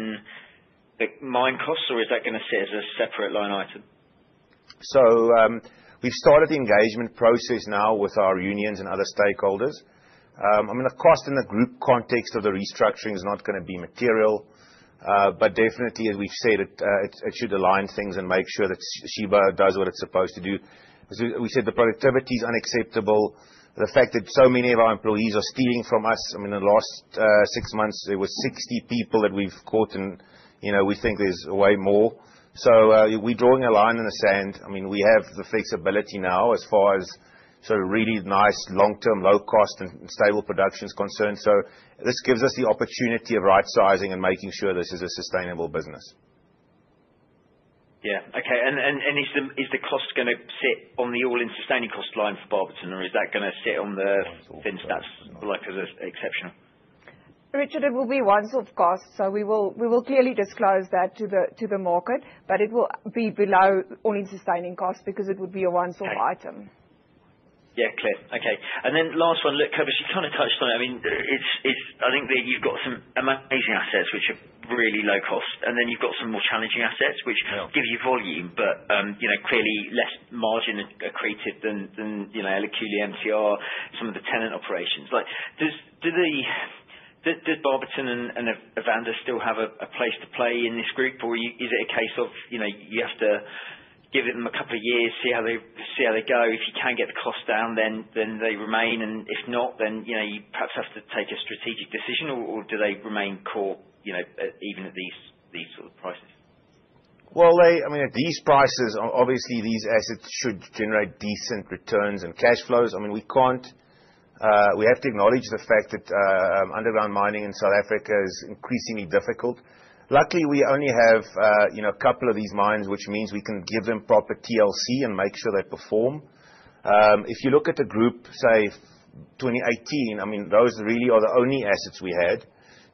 Speaker 5: the mine costs, or is that going to sit as a separate line item?
Speaker 1: So we've started the engagement process now with our unions and other stakeholders. I mean, of course, in the group context of the restructuring, it's not going to be material. But definitely, as we've said, it should align things and make sure that Sheba does what it's supposed to do. We said the productivity is unacceptable. The fact that so many of our employees are stealing from us. I mean, in the last six months, there were 60 people that we've caught, and we think there's way more. So we're drawing a line in the sand. I mean, we have the flexibility now as far as sort of really nice long-term low-cost and stable production is concerned. So this gives us the opportunity of right-sizing and making sure this is a sustainable business.
Speaker 5: Yeah. Okay. And is the cost going to sit on the All-in Sustaining Cost line for Barberton, or is that going to sit on the things that's exceptional?
Speaker 3: Richard, it will be one sort of cost. So we will clearly disclose that to the market, but it will be below all-in sustaining cost because it would be a one sort of item.
Speaker 5: Yeah. Clear. Okay. And then last one, look, Cobus, you kind of touched on it. I mean, I think that you've got some amazing assets which are really low cost. And then you've got some more challenging assets which give you volume, but clearly less margin created than Elikhulu, MTR, some of the Tennant operations. Does Barberton and Evander still have a place to play in this group, or is it a case of you have to give them a couple of years, see how they go? If you can't get the cost down, then they remain. And if not, then you perhaps have to take a strategic decision, or do they remain core even at these sort of prices?
Speaker 1: I mean, at these prices, obviously, these assets should generate decent returns and cash flows. I mean, we have to acknowledge the fact that underground mining in South Africa is increasingly difficult. Luckily, we only have a couple of these mines, which means we can give them proper TLC and make sure they perform. If you look at the group, say, 2018, I mean, those really are the only assets we had.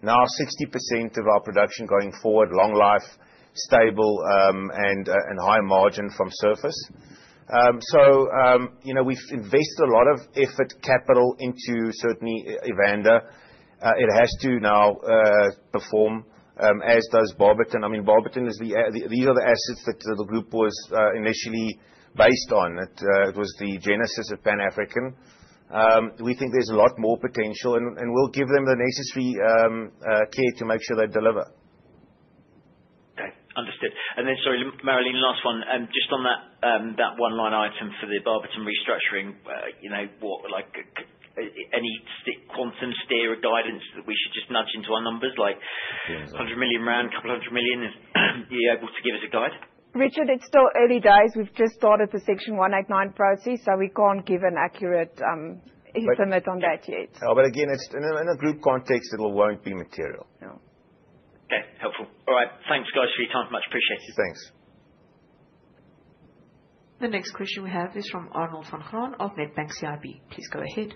Speaker 1: Now, 60% of our production going forward, long life, stable, and high margin from surface. So we've invested a lot of effort capital into certainly Evander. It has to now perform as does Barberton. I mean, Barberton, these are the assets that the group was initially based on. It was the genesis of Pan African. We think there's a lot more potential, and we'll give them the necessary care to make sure they deliver.
Speaker 5: Okay. Understood. And then, sorry, Marilyn, last one. Just on that one line item for the Barberton restructuring, any quantum steer or guidance that we should just nudge into our numbers like 100 million round, a couple of hundred million, and you're able to give us a guide?
Speaker 3: Richard, it still early days. We've just started the Section 189 process, so we can't give an accurate estimate on that yet.
Speaker 1: But again, in a group context, it won't be material. No.
Speaker 5: Okay. Helpful. All right. Thanks, guys, for your time. Much appreciated.
Speaker 1: Thanks.
Speaker 4: The next question we have is from Arnold van Graan of Nedbank CIB. Please go ahead.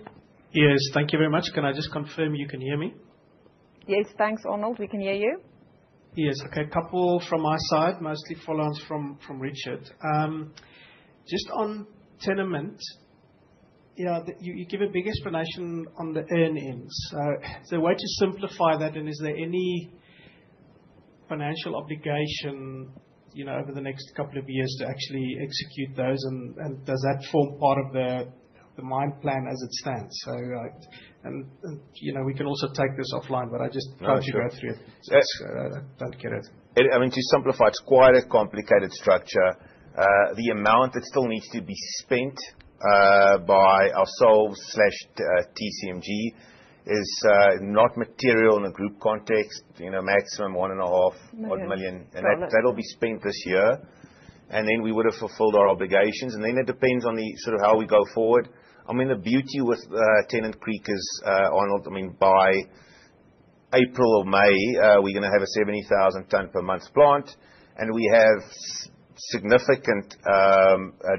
Speaker 6: Yes. Thank you very much. Can I just confirm you can hear me? Yes. Thanks, Arnold. We can hear you. Yes. Okay. Couple from my side, mostly follow-ons from Richard. Just on Tennant, you give a big explanation on the earn-in. So the way to simplify that, and is there any financial obligation over the next couple of years to actually execute those, and does that form part of the mine plan as it stands? We can also take this offline, but I just want to go through it. Don't get it.
Speaker 1: I mean, to simplify, it's quite a complicated structure. The amount that still needs to be spent by ourselves/TCMG is not material in a group context, maximum one and a half, one million. That'll be spent this year. Then we would have fulfilled our obligations. Then it depends on sort of how we go forward. I mean, the beauty with Tennant Creek is, Arnold, I mean, by April or May, we're going to have a 70,000 ton per month plant, and we have significant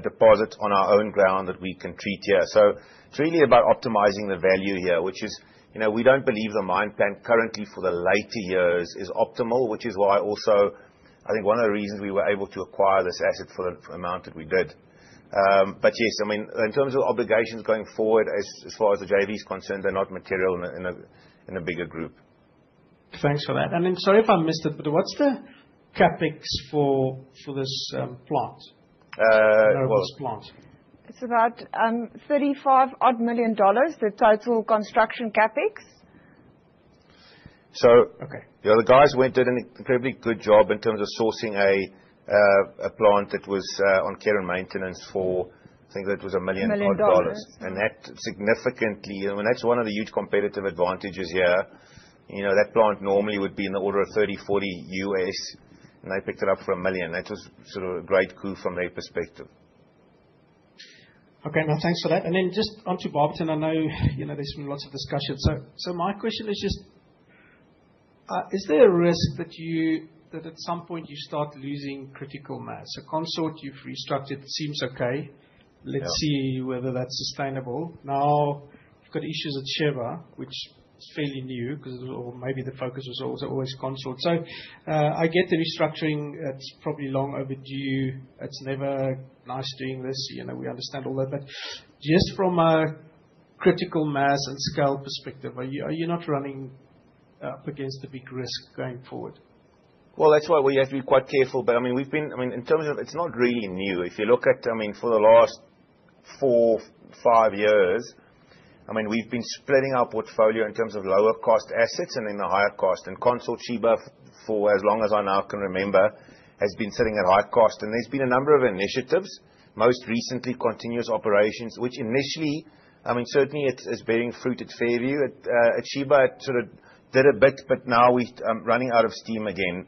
Speaker 1: deposits on our own ground that we can treat here. So it's really about optimizing the value here, which is we don't believe the mine plan currently for the later years is optimal, which is why also I think one of the reasons we were able to acquire this asset for the amount that we did. But yes, I mean, in terms of obligations going forward, as far as the JV is concerned, they're not material in a bigger group.
Speaker 6: Thanks for that. And I'm sorry if I missed it, but what's the CapEx for this plant?
Speaker 3: It's about $35 million, the total construction CapEx.
Speaker 1: So the guys went and did an incredibly good job in terms of sourcing a plant that was on care and maintenance for, I think, about $1 million. And that significantly, I mean, that's one of the huge competitive advantages here. That plant normally would be in the order of $30-$40, and they picked it up for $1 million. That was sort of a great coup from their perspective.
Speaker 6: Okay. No, thanks for that. And then just onto Barberton, I know there's been lots of discussion. So my question is just, is there a risk that at some point you start losing critical mass? So Consort, you've restructured, seems okay. Let's see whether that's sustainable. Now, you've got issues at Sheba, which is fairly new because maybe the focus was always Consort. So I get the restructuring, it's probably long overdue. It's never nice doing this. We understand all that. But just from a critical mass and scale perspective, are you not running up against a big risk going forward?
Speaker 1: Well, that's why we have to be quite careful. But I mean, we've been. I mean, in terms of it's not really new. If you look at, I mean, for the last four, five years, I mean, we've been spreading our portfolio in terms of lower-cost assets and then the higher cost. Consort, Sheba, for as long as I now can remember, has been sitting at high cost. There's been a number of initiatives, most recently continuous operations, which initially, I mean, certainly it's bearing fruit at Fairview. At Sheba, it sort of did a bit, but now we're running out of steam again.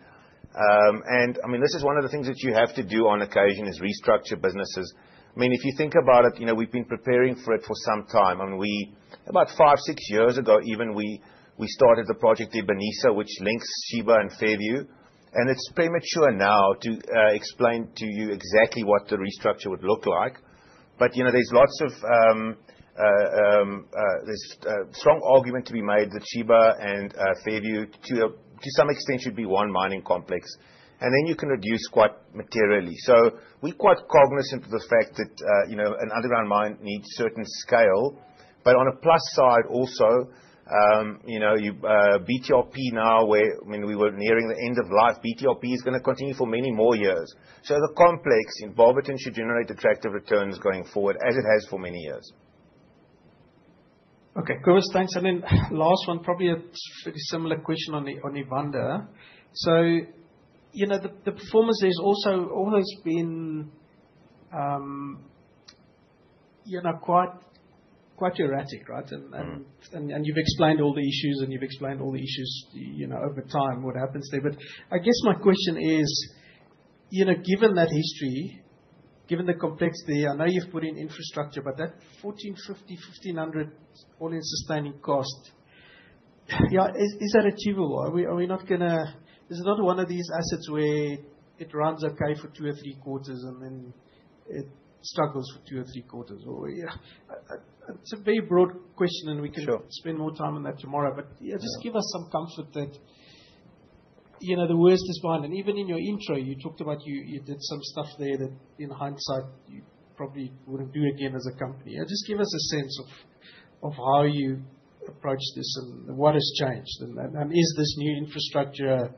Speaker 1: I mean, this is one of the things that you have to do on occasion is restructure businesses. I mean, if you think about it, we've been preparing for it for some time. I mean, about five, six years ago even, we started the Project Ebenezer, which links Sheba and Fairview. And it's premature now to explain to you exactly what the restructure would look like. But there's a strong argument to be made that Sheba and Fairview, to some extent, should be one mining complex. And then you can reduce quite materially. So we're quite cognizant of the fact that an underground mine needs certain scale. But on a plus side also, BTRP now, I mean, we were nearing the end of life. BTRP is going to continue for many more years. So as a complex, Barberton should generate attractive returns going forward as it has for many years.
Speaker 6: Okay. Cobus, thanks. And then last one, probably a pretty similar question on Evander. So the performance there's also always been quite erratic, right? And you've explained all the issues over time, what happens there. I guess my question is, given that history, given the complexity, I know you've put in infrastructure, but that 1,450-1,500 All-in Sustaining Cost, is that achievable? Is it not one of these assets where it runs okay for two or three quarters, and then it struggles for two or three quarters? It's a very broad question, and we can spend more time on that tomorrow. But yeah, just give us some comfort that the worst is behind. And even in your intro, you talked about you did some stuff there that in hindsight you probably wouldn't do again as a company. Just give us a sense of how you approach this and what has changed. And is this new infrastructure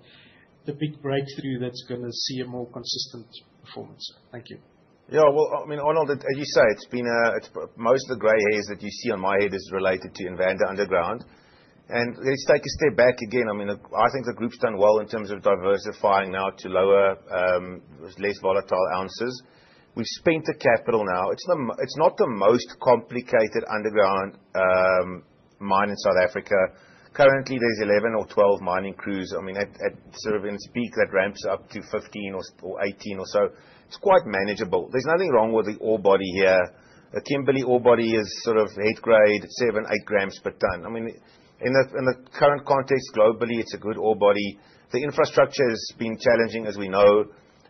Speaker 6: the big breakthrough that's going to see a more consistent performance? Thank you.
Speaker 1: Yeah. I mean, Arnold, as you say, it's been most of the gray hairs that you see on my head is related to Evander Underground. Let's take a step back again. I mean, I think the group's done well in terms of diversifying now to lower, less volatile ounces. We've spent the capital now. It's not the most complicated underground mine in South Africa. Currently, there's 11 or 12 mining crews. I mean, at sort of in speak, that ramps up to 15 or 18 or so. It's quite manageable. There's nothing wrong with the ore body here. The Kimberley ore body is sort of head grade, seven, eight grams per ton. I mean, in the current context, globally, it's a good ore body. The infrastructure has been challenging, as we know.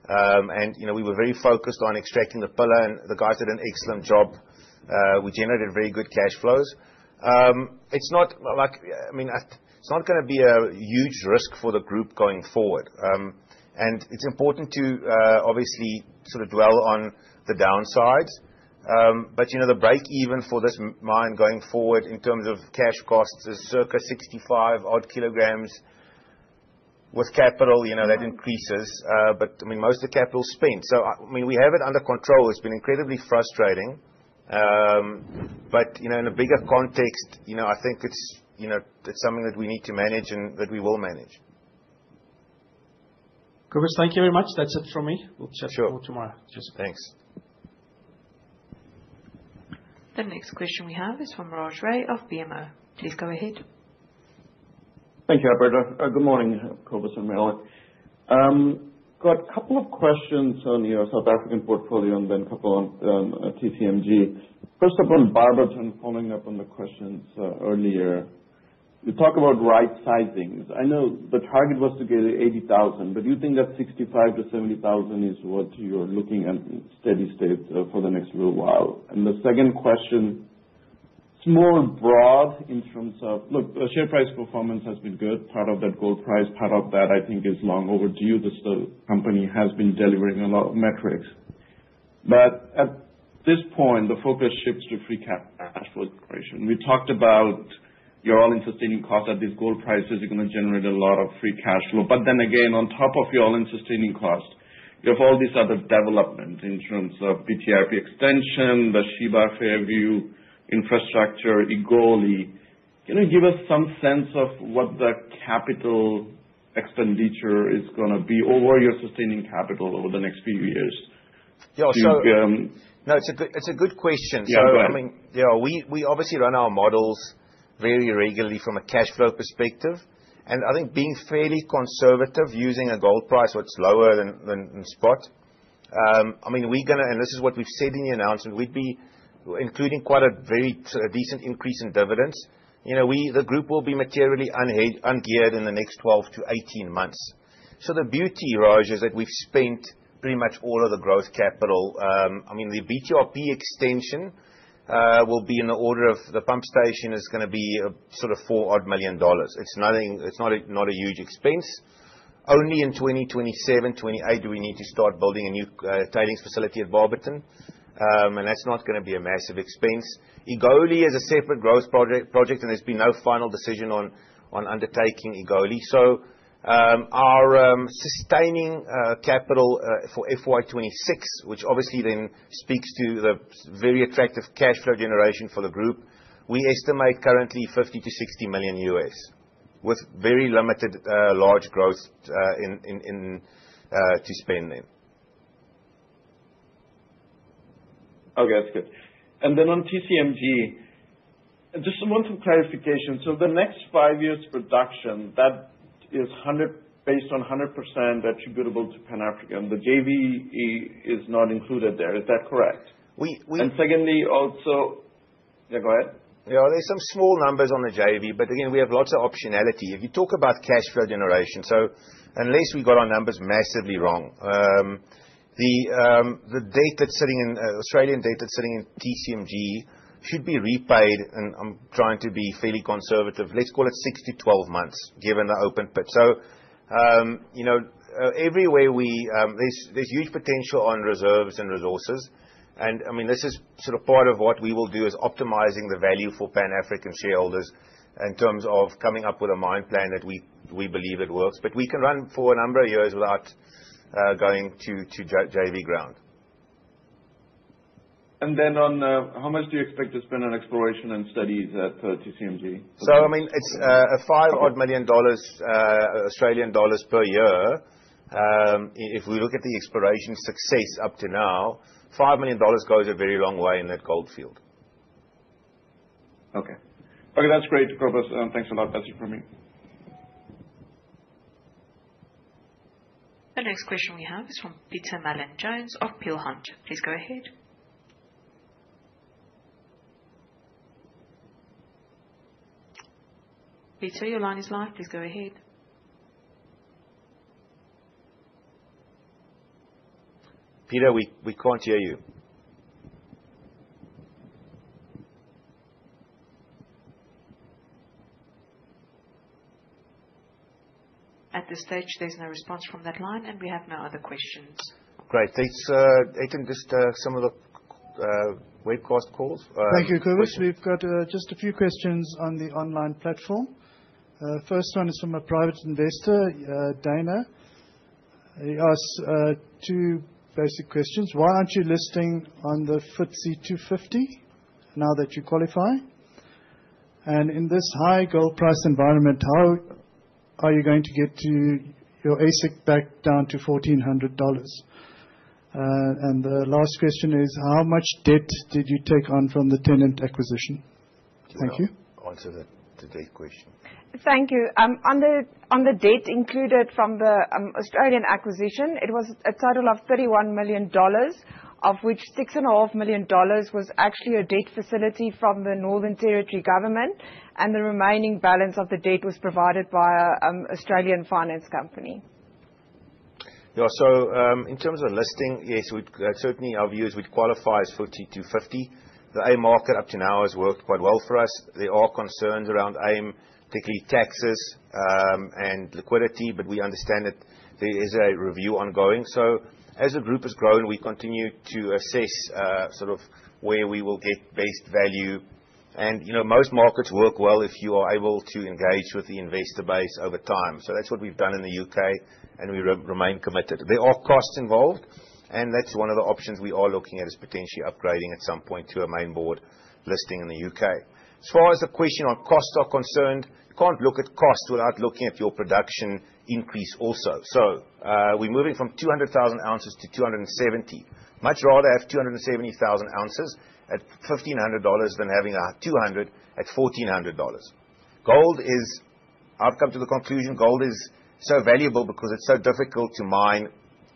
Speaker 1: We were very focused on extracting the pillar, and the guys did an excellent job. We generated very good cash flows. I mean, it's not going to be a huge risk for the group going forward. And it's important to obviously sort of dwell on the downsides. But the break-even for this mine going forward in terms of cash costs is circa 65 odd kilograms. With capital, that increases. But I mean, most of the capital is spent. So I mean, we have it under control. It's been incredibly frustrating. But in a bigger context, I think it's something that we need to manage and that we will manage.
Speaker 6: Chris, thank you very much. That's it from me. We'll chat more tomorrow.
Speaker 1: Thanks.
Speaker 4: The next question we have is from Raj Ray of BMO. Please go ahead.
Speaker 7: Thank you, Alberto. Good morning, Chris and Marilyn. Got a couple of questions on your South African portfolio and then a couple on TCMG. First up on Barberton, following up on the questions earlier, you talk about right-sizing. I know the target was to get 80,000, but do you think that 65,000-70,000 is what you're looking at in steady state for the next little while? And the second question, it's more broad in terms of, look, the share price performance has been good. Part of that gold price, part of that, I think, is long overdue. The company has been delivering a lot of metrics. But at this point, the focus shifts to free cash flow operation. We talked about your all-in sustaining cost at these gold prices are going to generate a lot of free cash flow. But then again, on top of your all-in sustaining cost, you have all these other developments in terms of BTRP extension, the Sheba Fairview infrastructure, Egoli. Can you give us some sense of what the capital expenditure is going to be over your sustaining capital over the next few years?
Speaker 1: No, it's a good question. So I mean, we obviously run our models very regularly from a cash flow perspective. And I think being fairly conservative using a gold price that's lower than spot, I mean, we're going to, and this is what we've said in the announcement, we'd be including quite a very decent increase in dividends. The group will be materially ungeared in the next 12-18 months. So the beauty, Raj, is that we've spent pretty much all of the growth capital. I mean, the BTRP extension will be in the order of, the pump station is going to be sort of $4 million. It's not a huge expense. Only in 2027, 2028, do we need to start building a new tailings facility at Barberton. And that's not going to be a massive expense. Egoli is a separate growth project, and there's been no final decision on undertaking Egoli. So our sustaining capital for FY26, which obviously then speaks to the very attractive cash flow generation for the group, we estimate currently $50-$60 million with very limited large growth to spend there.
Speaker 7: Okay. That's good. And then on TCMG, just some clarification. So the next five years' production, that is based on 100% attributable to Pan-African. The JV is not included there. Is that correct? And secondly, also yeah, go ahead.
Speaker 1: There's some small numbers on the JV, but again, we have lots of optionality. If you talk about cash flow generation, unless we got our numbers massively wrong, the debt that's sitting, the Australian debt that's sitting in TCMG, should be repaid. I'm trying to be fairly conservative. Let's call it 6-12 months given the open pit. Everywhere there's huge potential on reserves and resources. I mean, this is sort of part of what we will do is optimizing the value for Pan African shareholders in terms of coming up with a mine plan that we believe it works. We can run for a number of years without going to JV ground.
Speaker 7: Then on how much do you expect to spend on exploration and studies at TCMG?
Speaker 1: I mean, it's a five-odd million AUD per year. If we look at the exploration success up to now, $5 million goes a very long way in that gold field.
Speaker 7: Okay. That's great, Cobus. Thanks a lot. That's it from me.
Speaker 4: The next question we have is from Peter Mallin-Jones of Peel Hunt. Please go ahead. Peter, your line is live. Please go ahead. Peter, we can't hear you. At this stage, there's no response from that line, and we have no other questions.
Speaker 1: Great. It's just some of the webcast calls. Thank you, Cobus. We've got just a few questions on the online platform. First one is from a private investor, Dana. He asks two basic questions. Why aren't you listing on the FTSE 250 now that you qualify? And in this high gold price environment, how are you going to get your AISC back down to $1,400? The last question is, how much debt did you take on from the Tennant acquisition? Thank you. Answer the debt question.
Speaker 3: Thank you. On the debt included from the Australian acquisition, it was a total of $31 million, of which $6.5 million was actually a debt facility from the Northern Territory government, and the remaining balance of the debt was provided by an Australian finance company.
Speaker 1: Yeah. In terms of listing, yes, certainly our view is we'd qualify as FTSE 250. The AIM market up to now has worked quite well for us. There are concerns around AIM, particularly taxes and liquidity, but we understand that there is a review ongoing. As the group has grown, we continue to assess sort of where we will get best value. Most markets work well if you are able to engage with the investor base over time. So that's what we've done in the UK, and we remain committed. There are costs involved, and that's one of the options we are looking at is potentially upgrading at some point to a Main Board listing in the UK. As far as the question on costs are concerned, you can't look at costs without looking at your production increase also. So we're moving from 200,000 ounces to 270. Much rather have 270,000 ounces at $1,500 than having 200 at $1,400. Gold is I've come to the conclusion gold is so valuable because it's so difficult to mine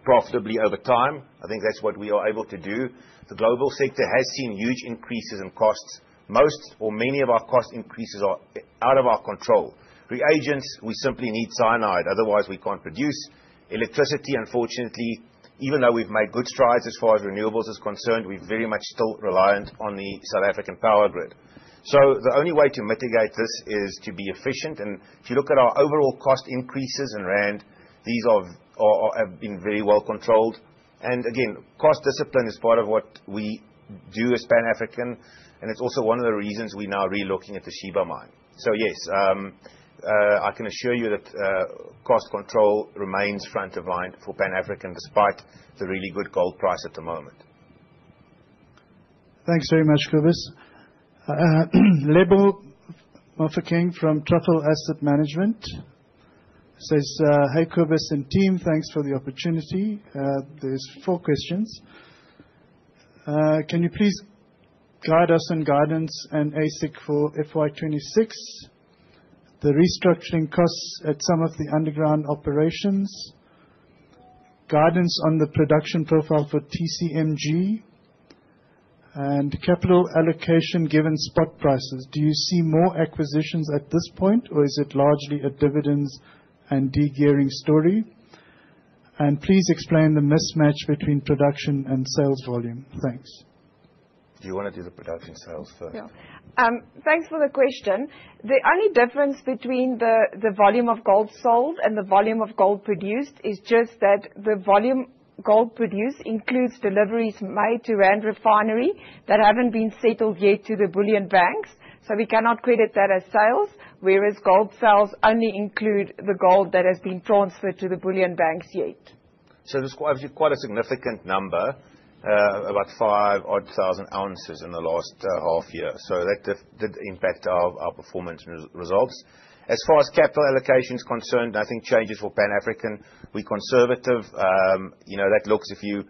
Speaker 1: profitably over time. I think that's what we are able to do. The global sector has seen huge increases in costs. Most or many of our cost increases are out of our control. Reagents, we simply need cyanide. Otherwise, we can't produce. Electricity, unfortunately, even though we've made good strides as far as renewables are concerned, we're very much still reliant on the South African power grid. So the only way to mitigate this is to be efficient. And if you look at our overall cost increases in rand, these have been very well controlled. And again, cost discipline is part of what we do as Pan African. And it's also one of the reasons we're now relooking at the Sheba Mine. So yes, I can assure you that cost control remains front of mind for Pan African despite the really good gold price at the moment. Thanks very much, Cobus. Lebelo Mafakeng from Truffle Asset Management says, "Hey, Chris and team, thanks for the opportunity. There's four questions. Can you please guide us on guidance and AISC for FY26, the restructuring costs at some of the underground operations, guidance on the production profile for TCMG, and capital allocation given spot prices? Do you see more acquisitions at this point, or is it largely a dividends and degearing story? And please explain the mismatch between production and sales volume? Thanks. Do you want to do the production sales first?
Speaker 3: Thanks for the question. The only difference between the volume of gold sold and the volume of gold produced is just that the volume gold produced includes deliveries made to Rand Refinery that haven't been settled yet to the bullion banks. So we cannot credit that as sales, whereas gold sales only include the gold that has been transferred to the bullion banks yet.
Speaker 1: So there's quite a significant number, about five odd thousand ounces in the last half year. So that did impact our performance results. As far as capital allocation is concerned, I think changes for Pan African, we're conservative. That looks if you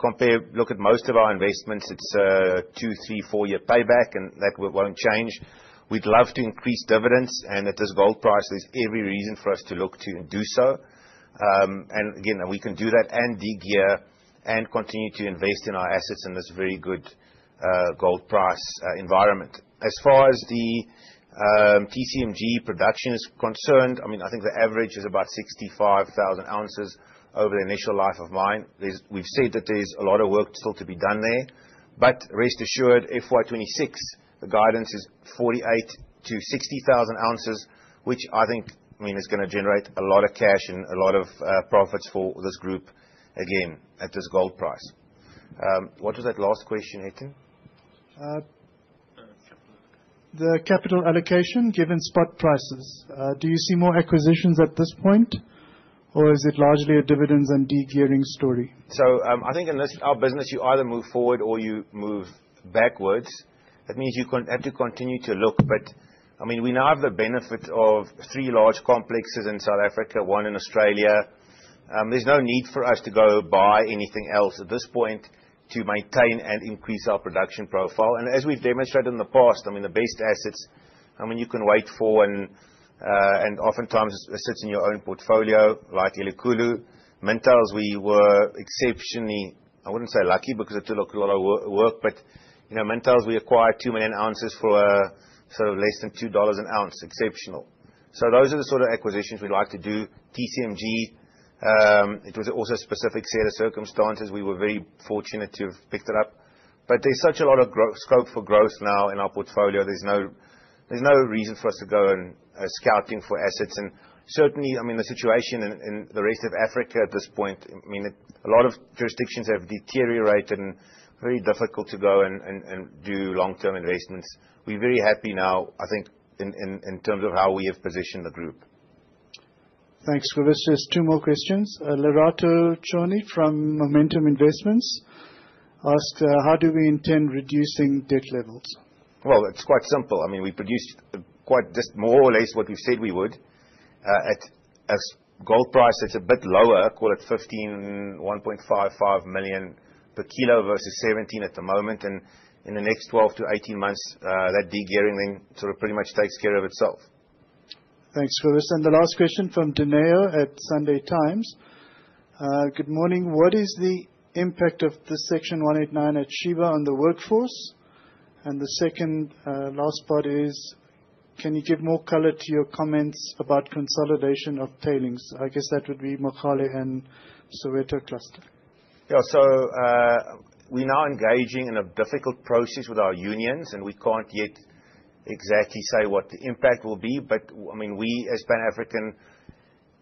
Speaker 1: compare, look at most of our investments, it's a two, three, four-year payback, and that won't change. We'd love to increase dividends, and at this gold price, there's every reason for us to look to and do so. And again, we can do that and degear and continue to invest in our assets in this very good gold price environment. As far as the TCMG production is concerned, I mean, I think the average is about 65,000 ounces over the initial life of mine. We've said that there's a lot of work still to be done there. But rest assured, FY26, the guidance is 48,000-60,000 ounces, which I think, I mean, is going to generate a lot of cash and a lot of profits for this group, again, at this gold price. What was that last question, Hethen? The capital allocation given spot prices. Do you see more acquisitions at this point, or is it largely a dividends and degearing story? So I think in our business, you either move forward or you move backwards. That means you have to continue to look. But I mean, we now have the benefit of three large complexes in South Africa, one in Australia. There's no need for us to go buy anything else at this point to maintain and increase our production profile. As we've demonstrated in the past, I mean, the best assets, I mean, you can wait for and oftentimes it sits in your own portfolio like Elikhulu. Mintails, we were exceptionally, I wouldn't say lucky because it took a lot of work, but Mintails, we acquired two million ounces for sort of less than $2 an ounce. Exceptional. Those are the sort of acquisitions we'd like to do. TCMG, it was also a specific set of circumstances. We were very fortunate to have picked it up. But there's such a lot of scope for growth now in our portfolio. There's no reason for us to go and scouting for assets. Certainly, I mean, the situation in the rest of Africa at this point, I mean, a lot of jurisdictions have deteriorated and very difficult to go and do long-term investments. We're very happy now, I think, in terms of how we have positioned the group. Thanks, Cobus. Just two more questions. Lerato Choune from Momentum Investments asked, "How do we intend reducing debt levels?" Well, it's quite simple. I mean, we produced quite just more or less what we've said we would. At gold price, it's a bit lower. Call it R1.5-R1.55 million per kilo versus R1.7 at the moment. And in the next 12-18 months, that degearing then sort of pretty much takes care of itself. Thanks, Cobus. And the last question from Dineo at Sunday Times. "Good morning. What is the impact of the Section 189 at Sheba on the workforce?" And the second last part is, "Can you give more color to your comments about consolidation of tailings?" I guess that would be Mogale and Soweto Cluster. Yeah. So we're now engaging in a difficult process with our unions, and we can't yet exactly say what the impact will be. But I mean, we as Pan African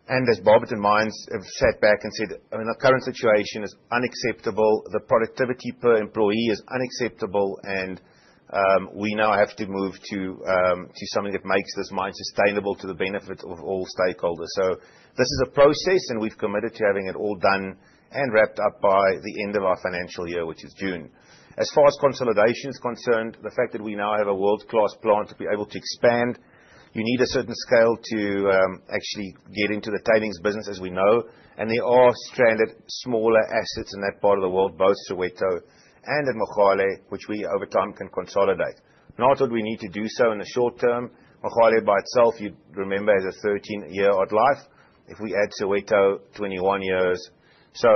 Speaker 1: and as Barberton Mines have sat back and said, "I mean, the current situation is unacceptable. The productivity per employee is unacceptable. And we now have to move to something that makes this mine sustainable to the benefit of all stakeholders." So this is a process, and we've committed to having it all done and wrapped up by the end of our financial year, which is June. As far as consolidation is concerned, the fact that we now have a world-class plant to be able to expand, you need a certain scale to actually get into the tailings business as we know. There are stranded smaller assets in that part of the world, both Soweto and at Mogale, which we over time can consolidate. Not that we need to do so in the short term. Mogale by itself, you'd remember as a 13-year-old life, if we add Soweto, 21 years. So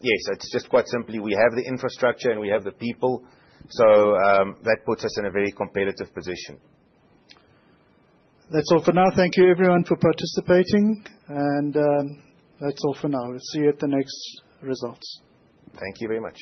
Speaker 1: yes, it's just quite simply we have the infrastructure and we have the people. So that puts us in a very competitive position. That's all for now. Thank you, everyone, for participating. And that's all for now. We'll see you at the next results. Thank you very much.